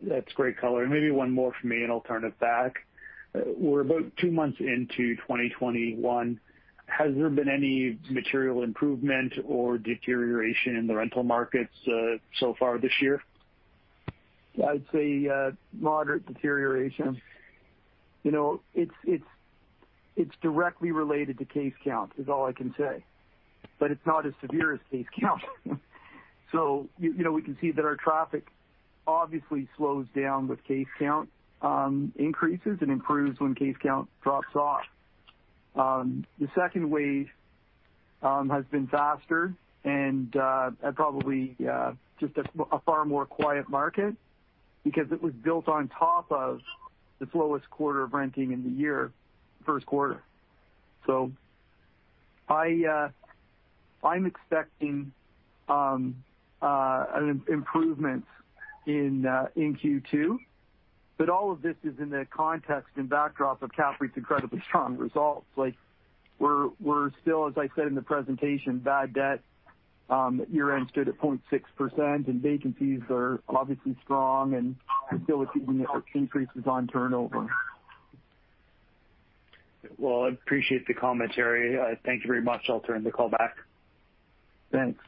That's great color. Maybe one more from me, and I'll turn it back. We're about two months into 2021. Has there been any material improvement or deterioration in the rental markets so far this year? I'd say moderate deterioration. It's directly related to case count, is all I can say. It's not as severe as case count. We can see that our traffic obviously slows down with case count increases and improves when case count drops off. The second wave has been faster and probably just a far more quiet market because it was built on top of the slowest quarter of renting in the year, first quarter. I'm expecting an improvement in Q2, but all of this is in the context and backdrop of CAPREIT's incredibly strong results. We're still, as I said in the presentation, bad debt at year-end stood at 0.6%, and vacancies are obviously strong and still achieving increases on turnover. Well, I appreciate the commentary. Thank you very much. I'll turn the call back. Thanks.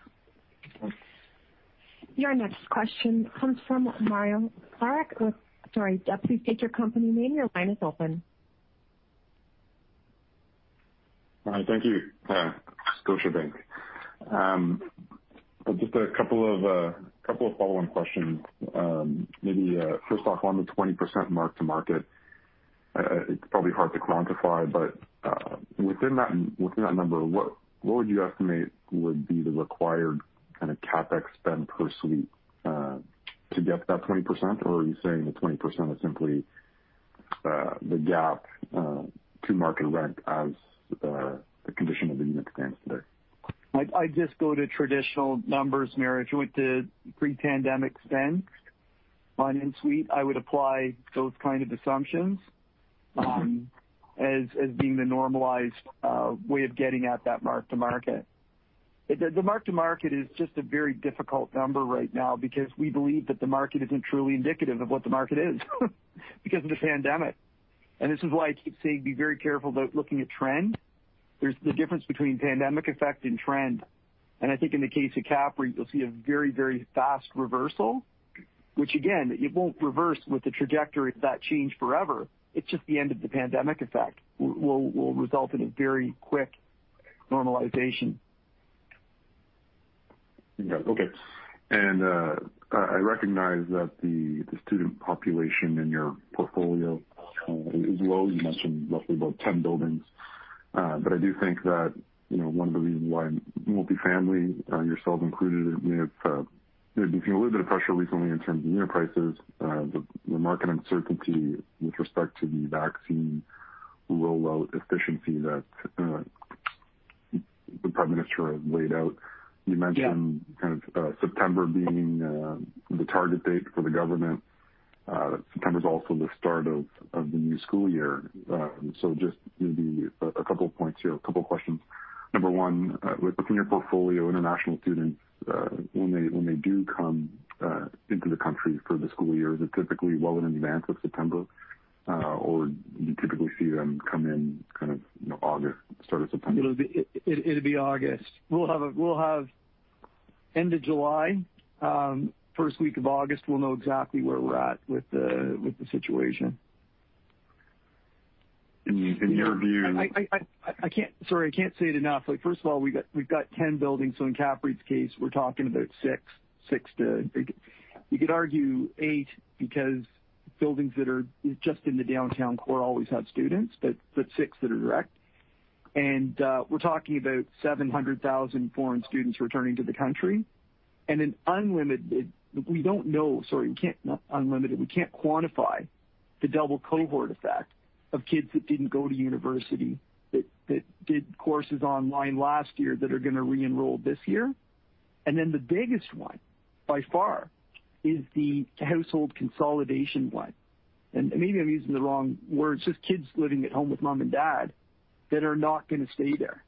Your next question comes from Mario Saric. Sorry. Please state your company name. Your line is open. Hi, thank you. Scotiabank. Just a couple of follow-on questions. Maybe first off, on the 20% mark-to-market. It's probably hard to quantify but within that number, what would you estimate would be the required kind of CapEx spend per suite to get to that 20%? Are you saying the 20% is simply the gap to market rent as the condition of the unit stands today? I just go to traditional numbers, Mario, to pre-pandemic spend on in-suite. I would apply those kind of assumptions as being the normalized way of getting at that mark-to-market. The mark-to-market is just a very difficult number right now because we believe that the market isn't truly indicative of what the market is because of the pandemic. This is why I keep saying be very careful about looking at trend. There's the difference between pandemic effect and trend, and I think in the case of CAPREIT, you'll see a very fast reversal. Which again, it won't reverse with the trajectory of that change forever. It's just the end of the pandemic effect will result in a very quick normalization. Yeah. Okay. I recognize that the student population in your portfolio is low. You mentioned roughly about 10 buildings. I do think that one of the reasons why multifamily, yourself included, may have been feeling a little bit of pressure recently in terms of unit prices the market uncertainty with respect to the vaccine rollout efficiency that the Prime Minister has laid out. Yeah September being the target date for the government. September is also the start of the new school year. Just maybe a couple of points here, a couple of questions. Number one, within your portfolio, international students when they do come into the country for the school year, is it typically well in advance of September? Do you typically see them come in August, start of September? It'll be August. We'll have end of July, first week of August, we'll know exactly where we're at with the situation. In your view- Sorry, I can't say it enough. We've got 10 buildings, so in CAPREIT's case, we're talking about six to, you could argue eight because buildings that are just in the downtown core always have students, but six that are direct. We're talking about 700,000 foreign students returning to the country. An unlimited, we don't know. Sorry, not unlimited. We can't quantify the double cohort effect of kids that didn't go to university that did courses online last year that are going to re-enroll this year. The biggest one, by far, is the household consolidation one. Maybe I'm using the wrong words, just kids living at home with mom and dad that are not going to stay there.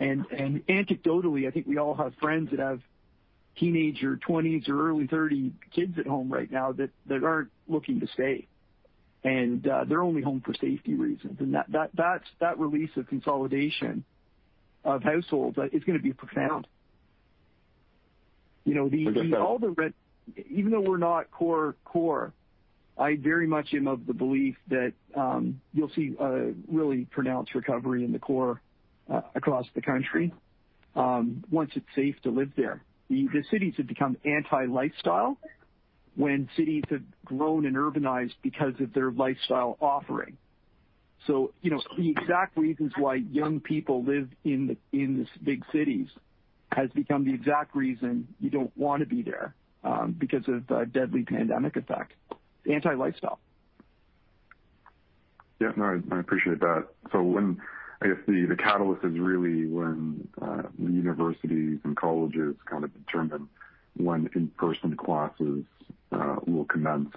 Anecdotally, I think we all have friends that have teenager, 20s or early 30 kids at home right now that aren't looking to stay. They're only home for safety reasons. That release of consolidation of households is going to be profound. Even though we're not core. I very much am of the belief that you'll see a really pronounced recovery in the core across the country once it's safe to live there. The cities have become anti-lifestyle when cities have grown and urbanized because of their lifestyle offering. The exact reasons why young people live in these big cities has become the exact reason you don't want to be there because of the deadly pandemic effect. Anti-lifestyle. Yeah. No, I appreciate that. I guess the catalyst is really when the universities and colleges kind of determine when in-person classes will commence.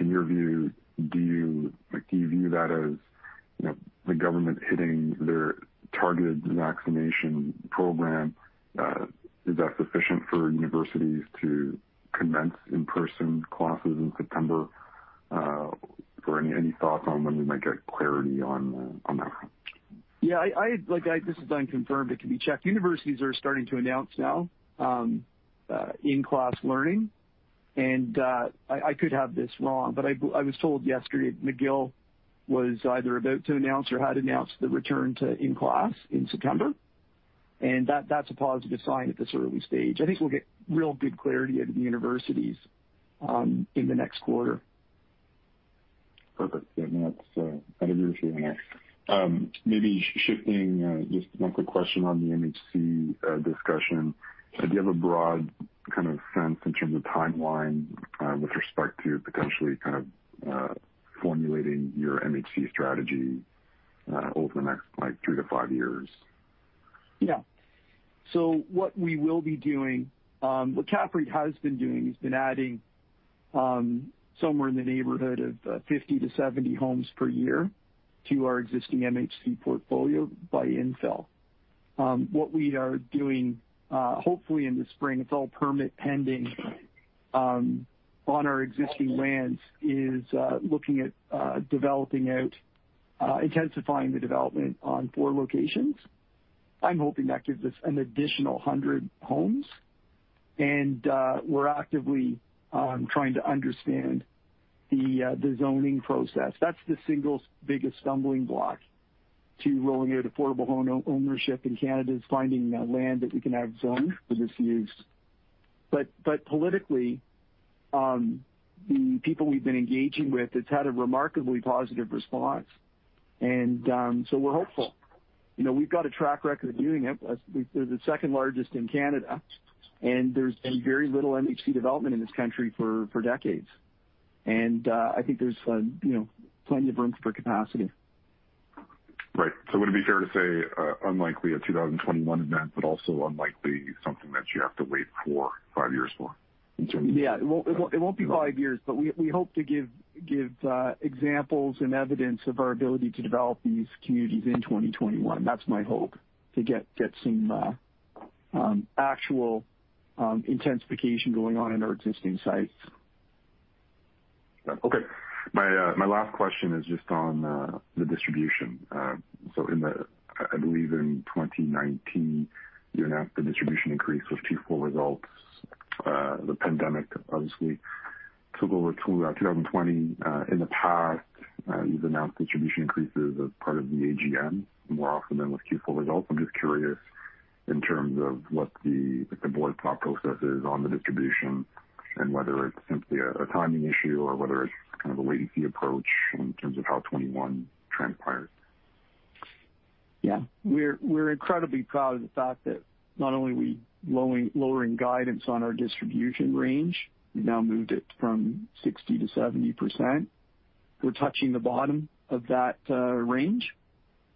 In your view, do you view that as the government hitting their targeted vaccination program? Is that sufficient for universities to commence in-person classes in September? Any thoughts on when we might get clarity on that front? Yeah. This is unconfirmed. It can be checked. Universities are starting to announce now in-class learning, I could have this wrong, but I was told yesterday McGill was either about to announce or had announced the return to in-class in September, and that's a positive sign at this early stage. I think we'll get real good clarity out of the universities in the next quarter. Perfect. Yeah. No, that's kind of your. Maybe shifting just one quick question on the MHC discussion. Do you have a broad kind of sense in terms of timeline with respect to potentially formulating your MHC strategy over the next two to five years? What we will be doing, what CAPREIT has been doing, is been adding somewhere in the neighborhood of 50-70 homes per year to our existing MHC portfolio by infill. What we are doing, hopefully in the spring, it's all permit pending on our existing lands is looking at intensifying the development on four locations. I'm hoping that gives us an additional 100 homes. We're actively trying to understand the zoning process. That's the single biggest stumbling block to rolling out affordable home ownership in Canada is finding land that we can have zoned for this use. Politically, the people we've been engaging with, it's had a remarkably positive response. We're hopeful. We've got a track record of doing it. We're the second largest in Canada, there's been very little MHC development in this country for decades. I think there's plenty of room for capacity. Right. Would it be fair to say unlikely a 2021 event, but also unlikely something that you have to wait four, five years for. Yeah. It won't be five years, but we hope to give examples and evidence of our ability to develop these communities in 2021. That's my hope, to get some actual intensification going on in our existing sites. Okay. My last question is just on the distribution. I believe in 2019, you announced the distribution increase with Q4 results. The pandemic obviously took over throughout 2020. In the past, you've announced distribution increases as part of the AGM more often than with Q4 results. I'm just curious in terms of what the Board's thought process is on the distribution and whether it's simply a timing issue or whether it's kind of a wait-and-see approach in terms of how 2021 transpired. Yeah. We're incredibly proud of the fact that not only are we lowering guidance on our distribution range, we've now moved it from 60% to 70%. We're touching the bottom of that range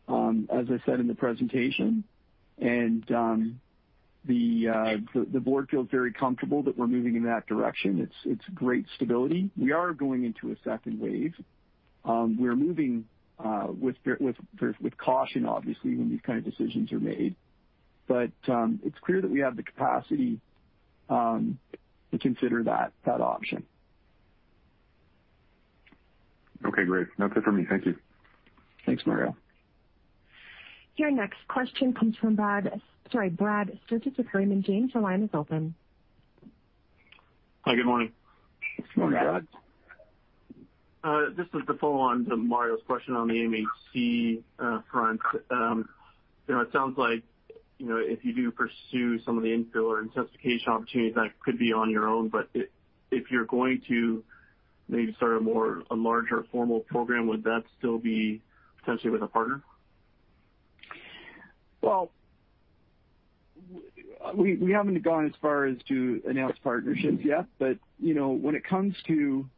as I said in the presentation. The Board feels very comfortable that we're moving in that direction. It's great stability. We are going into a second wave. We're moving with caution, obviously, when these kind of decisions are made. It's clear that we have the capacity to consider that option. Okay, great. That's it for me. Thank you. Thanks, Mario. Your next question comes from Brad. Sorry, Brad Sturges from Raymond James. Your line is open. Hi, good morning. Good morning, Brad. Just to follow on to Mario's question on the MHC front. It sounds like, if you do pursue some of the infill or intensification opportunities, that could be on your own. If you're going to maybe start a more, a larger formal program, would that still be potentially with a partner? Well, we haven't gone as far as to announce partnerships yet. When it comes to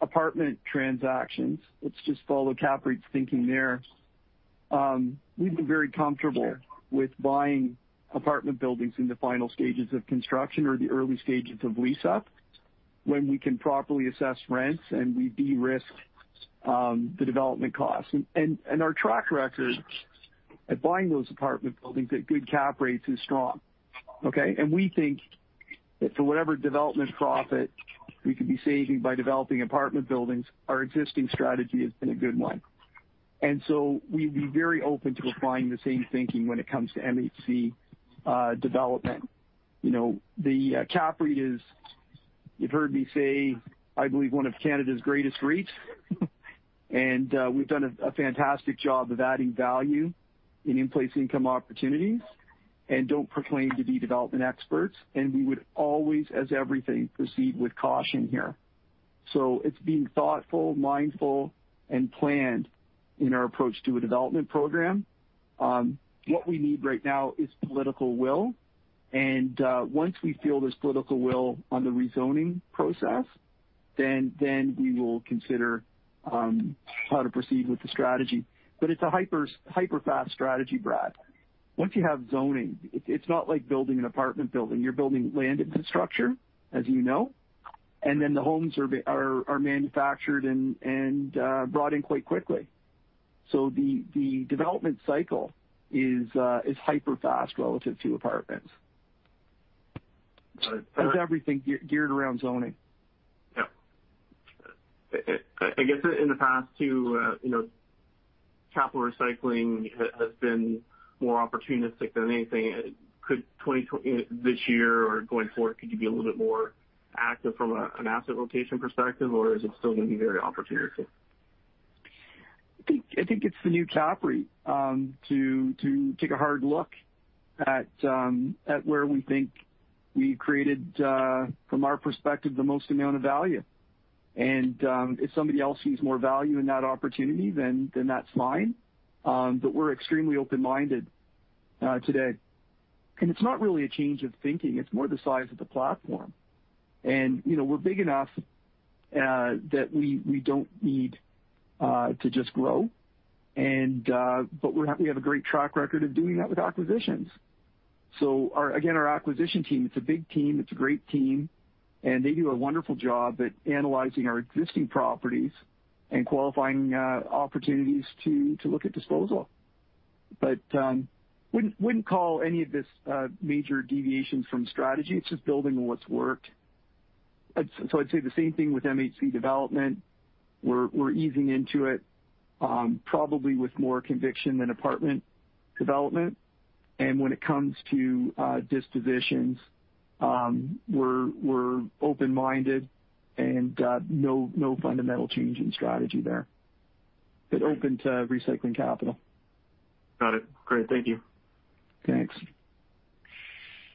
apartment transactions, let's just follow CAPREIT's thinking there. We've been very comfortable- with buying apartment buildings in the final stages of construction or the early stages of lease-up, when we can properly assess rents and we de-risk the development costs. Our track record at buying those apartment buildings at good cap rates is strong. Okay. We think that for whatever development profit we could be saving by developing apartment buildings, our existing strategy has been a good one. We'd be very open to applying the same thinking when it comes to MHC development. The CAPREIT is, you've heard me say, I believe one of Canada's greatest REITs, and we've done a fantastic job of adding value in in-place income opportunities and don't proclaim to be development experts. We would always, as everything, proceed with caution here. It's being thoughtful, mindful, and planned in our approach to a development program. What we need right now is political will. Once we feel there's political will on the rezoning process, we will consider how to proceed with the strategy. It's a hyper-fast strategy, Brad. Once you have zoning, it's not like building an apartment building. You're building land infrastructure, as you know, and the homes are manufactured and brought in quite quickly. The development cycle is hyper-fast relative to apartments. Got it. It's everything geared around zoning. Yep. I guess in the past too, capital recycling has been more opportunistic than anything. Could this year or going forward, could you be a little bit more active from an asset rotation perspective, or is it still going to be very opportunistic? I think it's the new CAPREIT to take a hard look at where we think we've created, from our perspective, the most amount of value. If somebody else sees more value in that opportunity, then that's fine. We're extremely open-minded today. It's not really a change of thinking, it's more the size of the platform. We're big enough that we don't need to just grow. We have a great track record of doing that with acquisitions. Again, our acquisition team, it's a big team, it's a great team, and they do a wonderful job at analyzing our existing properties and qualifying opportunities to look at disposal. Wouldn't call any of this major deviations from strategy. It's just building on what's worked. I'd say the same thing with MHC development. We're easing into it, probably with more conviction than apartment development. When it comes to dispositions, we're open-minded and no fundamental change in strategy there. It opened to recycling capital. Got it. Great. Thank you. Thanks.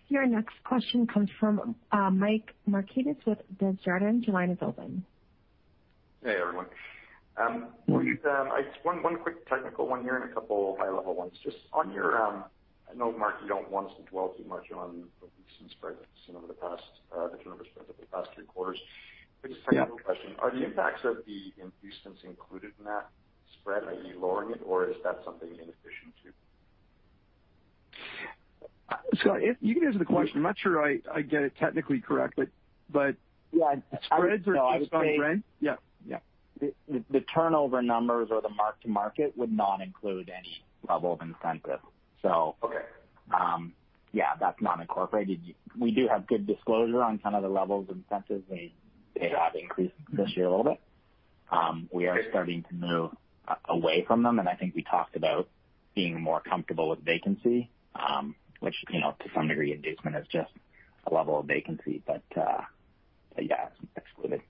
Your next question comes from Mike Markidis with Desjardins. Your line is open. Hey, everyone. One quick technical one here and a couple of high-level ones. I know, Mark, you don't want us to dwell too much on the recent spreads over the past, the turnover spreads over the past three quarters. Just a technical question. Are the impacts of the inducements included in that spread? Are you lowering it, or is that something inefficient too? Scott, you can answer the question. I'm not sure I get it technically correct. Yeah. The spreads are based on rent? Yeah. The turnover numbers or the mark-to-market would not include any level of incentive. Okay. Yeah, that's not incorporated. We do have good disclosure on the levels of incentives. They have increased this year a little bit. We are starting to move away from them, and I think we talked about being more comfortable with vacancy, which, to some degree, inducement is just a level of vacancy. Yeah, it's excluded.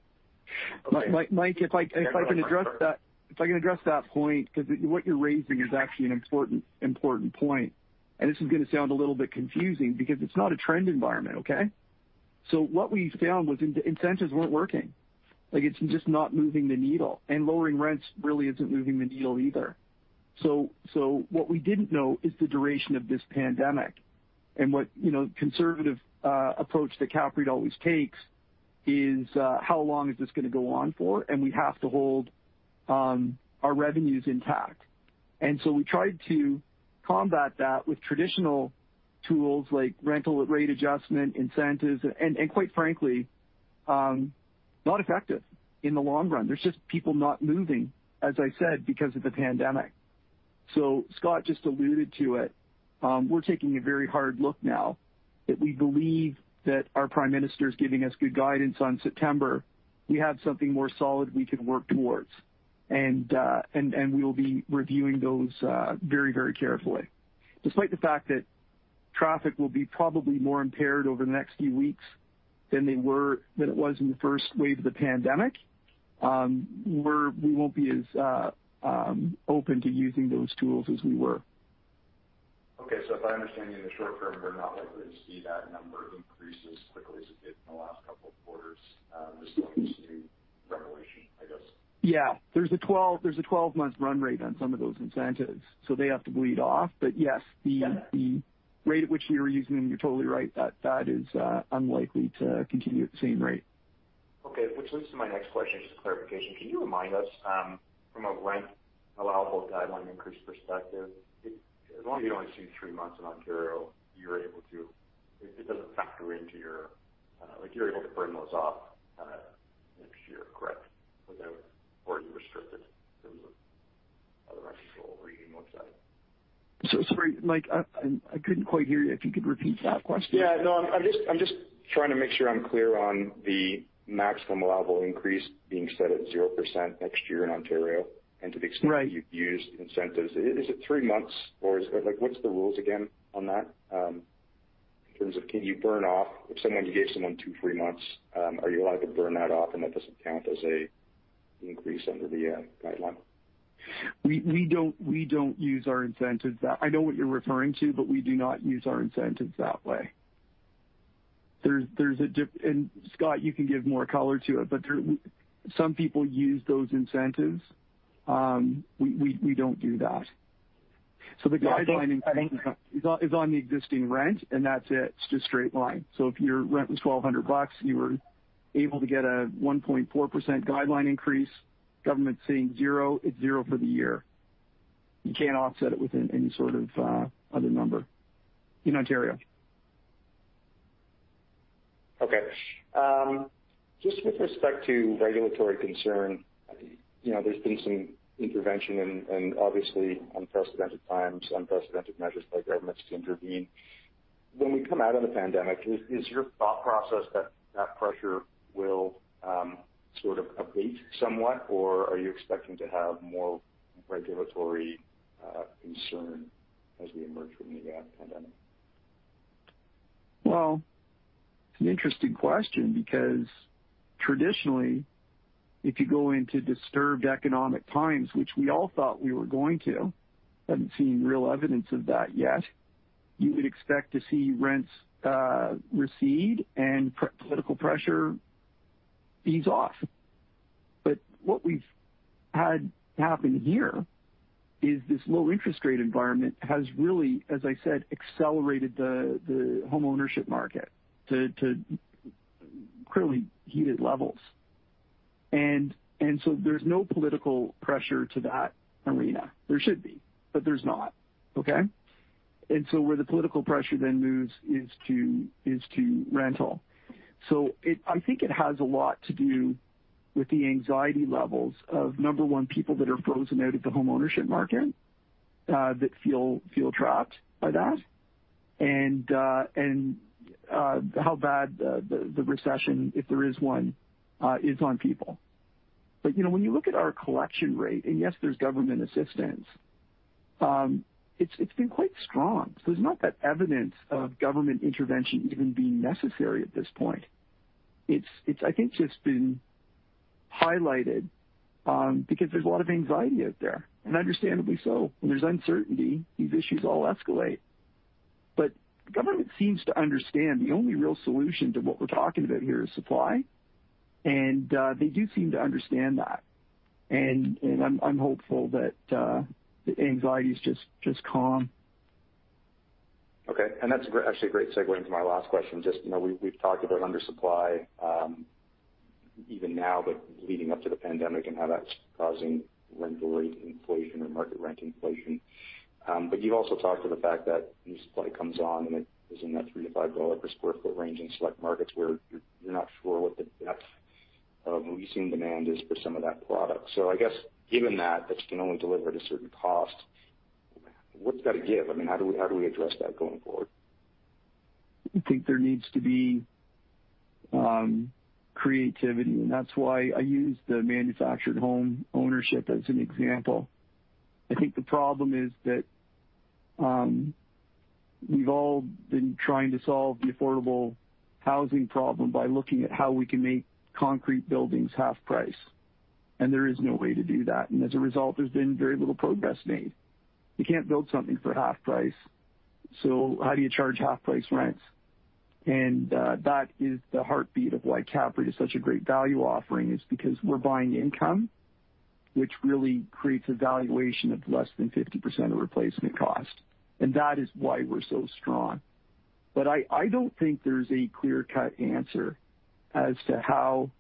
Mike, if I can address that point, because what you're raising is actually an important point. This is going to sound a little bit confusing because it's not a trend environment, okay? What we found was incentives weren't working. It's just not moving the needle. Lowering rents really isn't moving the needle either. What we didn't know is the duration of this pandemic. The conservative approach that CAPREIT always takes is how long is this going to go on for, and we have to hold our revenues intact. We tried to combat that with traditional tools like rental rate adjustment, incentives, and quite frankly, not effective in the long run. There's just people not moving, as I said, because of the pandemic. Scott just alluded to it. We're taking a very hard look now that we believe that our prime minister is giving us good guidance on September. We have something more solid we can work towards. We will be reviewing those very carefully. Despite the fact that traffic will be probably more impaired over the next few weeks than it was in the first wave of the pandemic. We won't be as open to using those tools as we were. Okay. If I understand, in the short term, we're not likely to see that number increase as quickly as it did in the last couple of quarters, just owing to regulation, I guess. Yeah. There's a 12-month run rate on some of those incentives, so they have to bleed off. Yes. Yeah the rate at which you're using them, you're totally right. That is unlikely to continue at the same rate. Okay. Which leads to my next question, just a clarification. Can you remind us, from a rent allowable guideline increase perspective, as long as you don't see three months in Ontario, it doesn't factor into your, like, you're able to burn those off next year, correct? Without or you restricted in terms of other rents before re-renting. Sorry, Mike, I couldn't quite hear you. If you could repeat that question. Yeah. No, I'm just trying to make sure I'm clear on the maximum allowable increase being set at 0% next year in Ontario. Right you've used incentives. Is it three months or what's the rules again on that, in terms of can you burn off if you gave someone two, three months, are you allowed to burn that off and that doesn't count as an increase under the guideline? We don't use our incentives that. I know what you're referring to, but we do not use our incentives that way. Scott, you can give more color to it, but some people use those incentives. We don't do that. The guideline increase is on the existing rent, and that's it. It's just straight line. If your rent was 1,200 bucks, you were able to get a 1.4% guideline increase. Government's saying zero, it's zero for the year. You can't offset it with any sort of other number in Ontario. Okay. Just with respect to regulatory concern, there's been some intervention and obviously unprecedented times, unprecedented measures by governments to intervene. When we come out of the pandemic, is your thought process that that pressure will abate somewhat or are you expecting to have more regulatory concern as we emerge from the pandemic? It's an interesting question because traditionally, if you go into disturbed economic times, which we all thought we were going to, haven't seen real evidence of that yet. You would expect to see rents recede and political pressure ease off. What we've had happen here is this low interest rate environment has really, as I said, accelerated the homeownership market to clearly heated levels. There's no political pressure to that arena. There should be, but there's not. Okay. Where the political pressure then moves is to rental. I think it has a lot to do with the anxiety levels of number one, people that are frozen out of the homeownership market, that feel trapped by that, and how bad the recession, if there is one, is on people. When you look at our collection rate, and yes, there's government assistance. It's been quite strong. There's not that evidence of government intervention even being necessary at this point. I think it's just been highlighted because there's a lot of anxiety out there, and understandably so. When there's uncertainty, these issues all escalate. The government seems to understand the only real solution to what we're talking about here is supply, and they do seem to understand that. I'm hopeful that the anxieties just calm. Okay. That's actually a great segue into my last question. Just we've talked about undersupply even now, but leading up to the pandemic and how that's causing rental rate inflation or market rent inflation. You've also talked to the fact that new supply comes on and it is in that 3-5 dollar per square foot range in select markets where you're not sure what the depth of leasing demand is for some of that product. I guess given that this can only deliver at a certain cost, what's got to give? How do we address that going forward? I think there needs to be creativity, and that's why I use the manufactured home ownership as an example. I think the problem is that we've all been trying to solve the affordable housing problem by looking at how we can make concrete buildings half price, and there is no way to do that. As a result, there's been very little progress made. You can't build something for half price. How do you charge half-price rents? That is the heartbeat of why CAPREIT is such a great value offering, is because we're buying income, which really creates a valuation of less than 50% of replacement cost. That is why we're so strong. I don't think there's a clear-cut answer as to how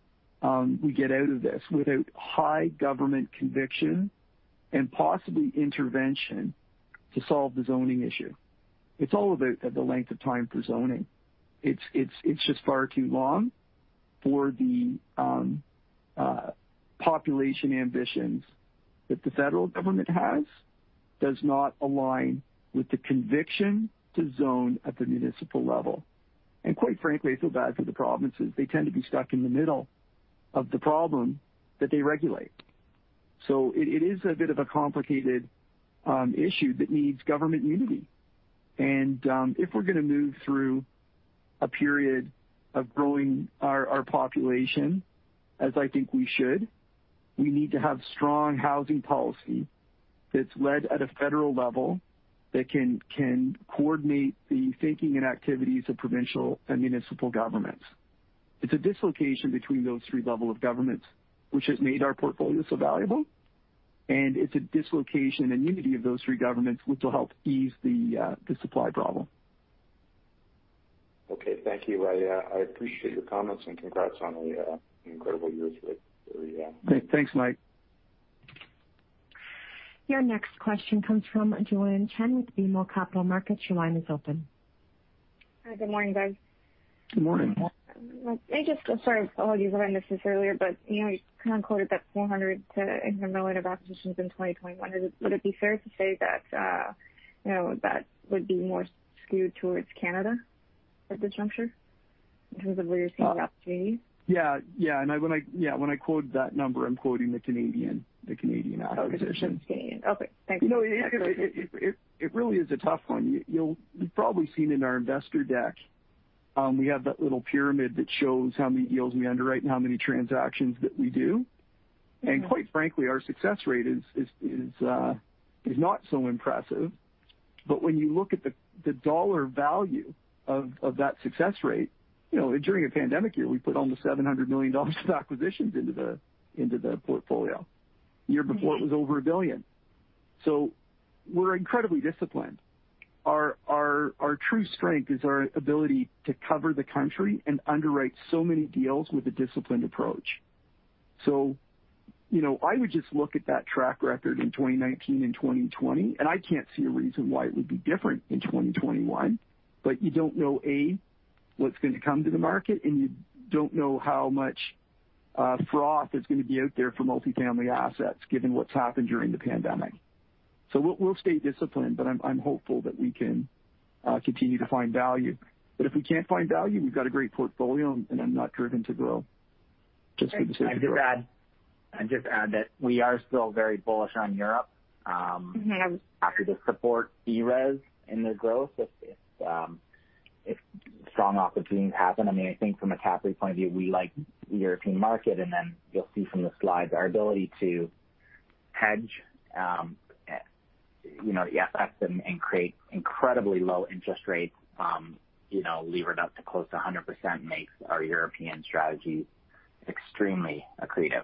we get out of this without high government conviction and possibly intervention to solve the zoning issue. It's all about the length of time for zoning. It's just far too long for the population ambitions that the federal government has does not align with the conviction to zone at the municipal level. Quite frankly, I feel bad for the provinces. They tend to be stuck in the middle of the problem that they regulate. It is a bit of a complicated issue that needs government unity. If we're going to move through a period of growing our population, as I think we should, we need to have strong housing policy that's led at a federal level that can coordinate the thinking and activities of provincial and municipal governments. It's a dislocation between those three level of governments which has made our portfolio so valuable, and it's a dislocation and unity of those three governments which will help ease the supply problem. Okay. Thank you. I appreciate your comments, and congrats on an incredible year this way. Thanks, Mike. Your next question comes from Joanne Chen with BMO Capital Markets. Your line is open. Hi. Good morning, guys. Good morning. Let me just go. Sorry if all of you have addressed this earlier, you kind of quoted that 400 million-500 million of acquisitions in 2021. Would it be fair to say that would be more skewed towards Canada at this juncture in terms of where you're seeing the opportunities? When I quote that number, I'm quoting the Canadian acquisitions. Acquisitions. Canadian. Okay, thanks. It really is a tough one. You've probably seen in our investor deck. We have that little pyramid that shows how many deals we underwrite and how many transactions that we do. Quite frankly, our success rate is not so impressive. When you look at the dollar value of that success rate, during a pandemic year, we put almost 700 million dollars of acquisitions into the portfolio. Year before it was over 1 billion. We're incredibly disciplined. Our true strength is our ability to cover the country and underwrite so many deals with a disciplined approach. I would just look at that track record in 2019 and 2020, I can't see a reason why it would be different in 2021. You don't know, A, what's going to come to the market, and you don't know how much froth is going to be out there for multifamily assets given what's happened during the pandemic. We'll stay disciplined, but I'm hopeful that we can continue to find value. If we can't find value, we've got a great portfolio, and I'm not driven to grow just for the sake of growth. I'd just add that we are still very bullish on Europe. happy to support ERES in their growth if strong opportunities happen. I think from a CAPREIT point of view, we like the European market, and then you'll see from the slides our ability to hedge the FX and create incredibly low interest rates levered up to close to 100% makes our European strategy extremely accretive.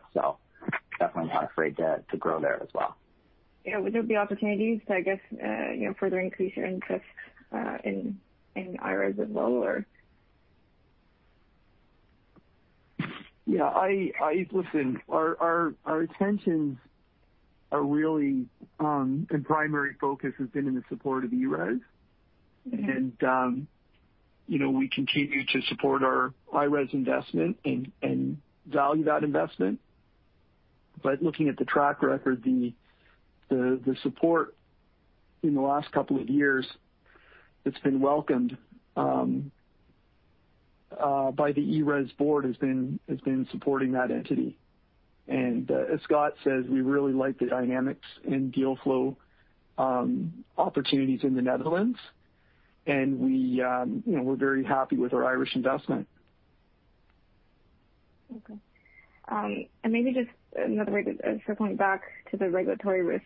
Definitely not afraid to grow there as well. Yeah. Would there be opportunities to, I guess further increase your interest in IRES as well or? Yeah. Listen, our attentions are really and primary focus has been in the support of ERES. We continue to support our IRES investment and value that investment. Looking at the track record, the support in the last couple of years that's been welcomed by the ERES Board has been supporting that entity. As Scott says, we really like the dynamics and deal flow opportunities in the Netherlands, and we're very happy with our Irish investment. Okay. Maybe just another way to circle it back to the regulatory risk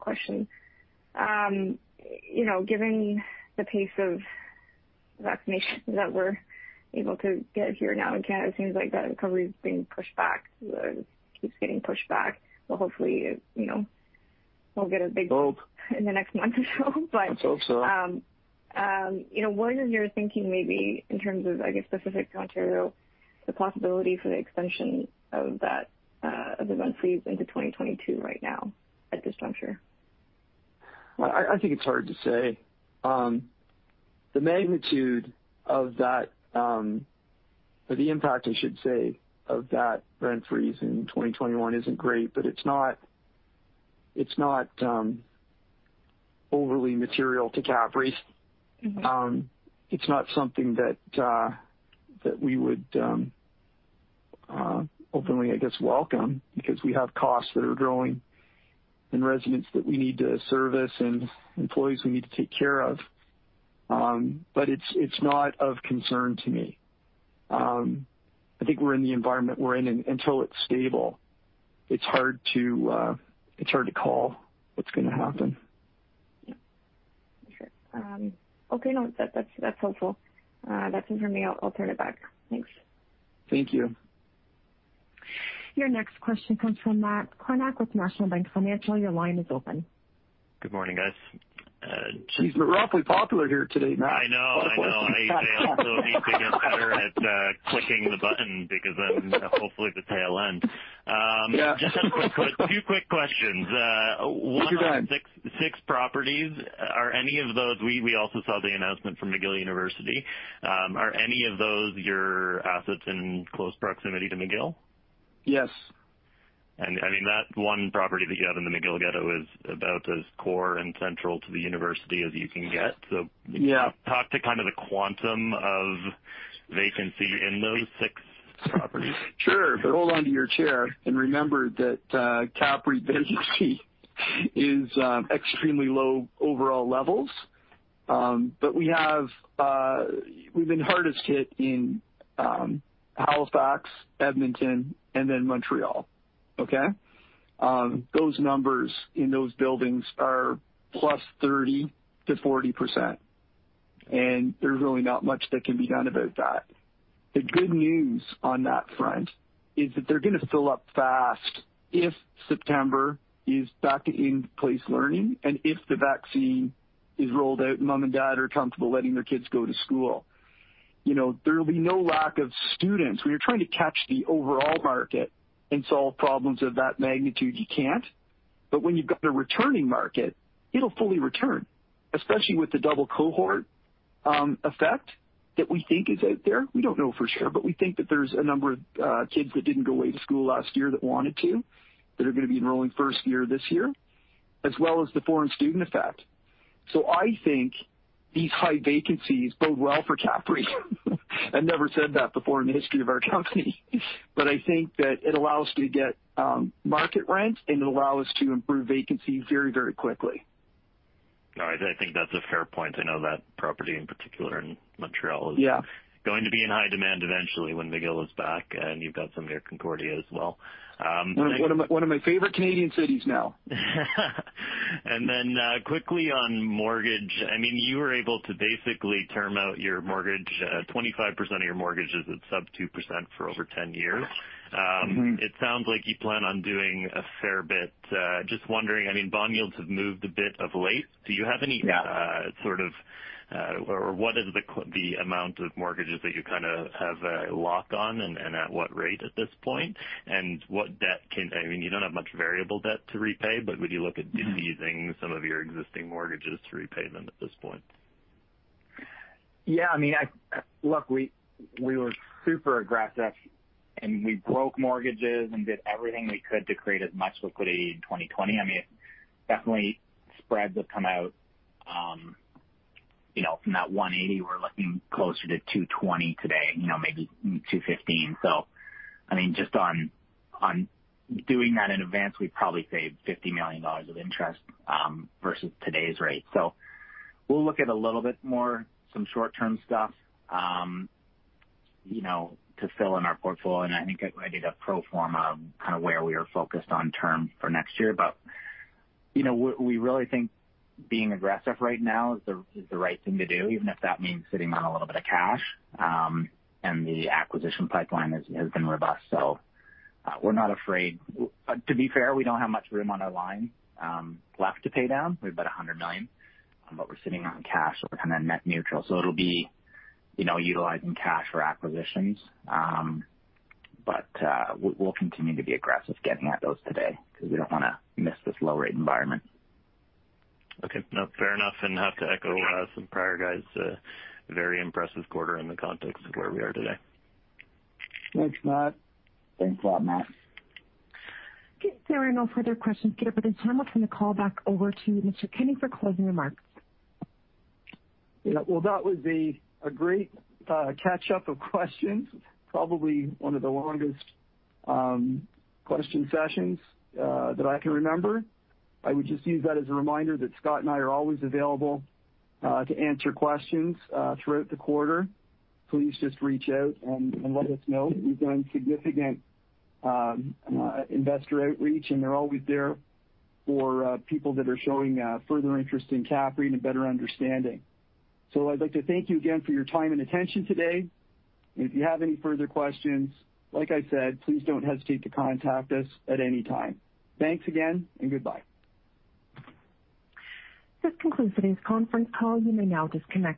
question. Given the pace of vaccinations that we are able to get here now in Canada, it seems like that recovery is being pushed back or keeps getting pushed back. Hopefully, we will get a big- Hope in the next month or so. Let's hope so What is your thinking maybe in terms of, I guess specific to Ontario, the possibility for the extension of the rent freeze into 2022 right now at this juncture? I think it's hard to say. The magnitude of that, or the impact, I should say, of that rent freeze in 2021 isn't great, but it's not overly material to CAPREIT. It's not something that we would openly, I guess, welcome because we have costs that are growing and residents that we need to service and employees we need to take care of. It's not of concern to me. I think we're in the environment we're in, and until it's stable, it's hard to call what's going to happen. Yeah. For sure. Okay, no, that's helpful. That's it from me. I'll turn it back. Thanks. Thank you. Your next question comes from Matt Kornack with National Bank Financial. Your line is open. Good morning, guys. Geez, you're awfully popular here today, Matt. I know. I know. I also need to get better at clicking the button because then hopefully this will end. Yeah. Just two quick questions. It's your time. One, six properties. We also saw the announcement from McGill University. Are any of those your assets in close proximity to McGill? Yes. That one property that you have in the McGill ghetto is about as core and central to the university as you can get. Yeah talk to kind of the quantum of vacancy in those six properties. Sure. Hold onto your chair and remember that CAPREIT vacancy is extremely low overall levels. We've been hardest hit in Halifax, Edmonton, and then Montreal. Okay. Those numbers in those buildings are +30%-40%, and there's really not much that can be done about that. The good news on that front is that they're going to fill up fast if September is back to in-place learning, and if the vaccine is rolled out, and mom and dad are comfortable letting their kids go to school. There'll be no lack of students. When you're trying to catch the overall market and solve problems of that magnitude, you can't. When you've got a returning market, it'll fully return, especially with the double cohort effect that we think is out there. We don't know for sure, but we think that there's a number of kids that didn't go away to school last year that wanted to, that are going to be enrolling first year this year, as well as the foreign student effect. I think these high vacancies bode well for CAPREIT. I've never said that before in the history of our company. I think that it allows us to get market rent, and it'll allow us to improve vacancy very, very quickly. All right. I think that's a fair point. I know that property in particular in Montreal. Yeah going to be in high demand eventually when McGill is back, and you've got some near Concordia as well. One of my favorite Canadian cities now. Quickly on mortgage. You were able to basically term out your mortgage, 25% of your mortgage is at sub 2% for over 10 years. It sounds like you plan on doing a fair bit. Just wondering, bond yields have moved a bit of late. Do you have any- Yeah sort of, or what is the amount of mortgages that you kind of have a lock on, and at what rate at this point? You don't have much variable debt to repay. defeasing some of your existing mortgages to repay them at this point? Look, we were super aggressive. We broke mortgages and did everything we could to create as much liquidity in 2020. Spreads have come out from that 180, we are looking closer to 220 today, maybe 215. Just on doing that in advance, we probably saved 50 million dollars of interest versus today's rate. We will look at a little bit more, some short-term stuff to fill in our portfolio. I think I did a pro forma of kind of where we are focused on terms for next year. We really think being aggressive right now is the right thing to do, even if that means sitting on a little bit of cash. The acquisition pipeline has been robust. We are not afraid. To be fair, we don't have much room on our line left to pay down. We have about 100 million, but we're sitting on cash, so we're kind of net neutral. It'll be utilizing cash for acquisitions. We'll continue to be aggressive getting at those today because we don't want to miss this low-rate environment. Okay. No, fair enough. Have to echo some prior guys, a very impressive quarter in the context of where we are today. Thanks, Matt. Thanks a lot, Matt. Okay. There are no further questions. At this time, I'll turn the call back over to Mr. Kenney for closing remarks. Well, that was a great catch-up of questions. Probably one of the longest question sessions that I can remember. I would just use that as a reminder that Scott and I are always available to answer questions throughout the quarter. Please just reach out and let us know. We've done significant investor outreach, and they're always there for people that are showing further interest in CAPREIT and a better understanding. I'd like to thank you again for your time and attention today. If you have any further questions, like I said, please don't hesitate to contact us at any time. Thanks again, and goodbye. This concludes today's conference call. You may now disconnect.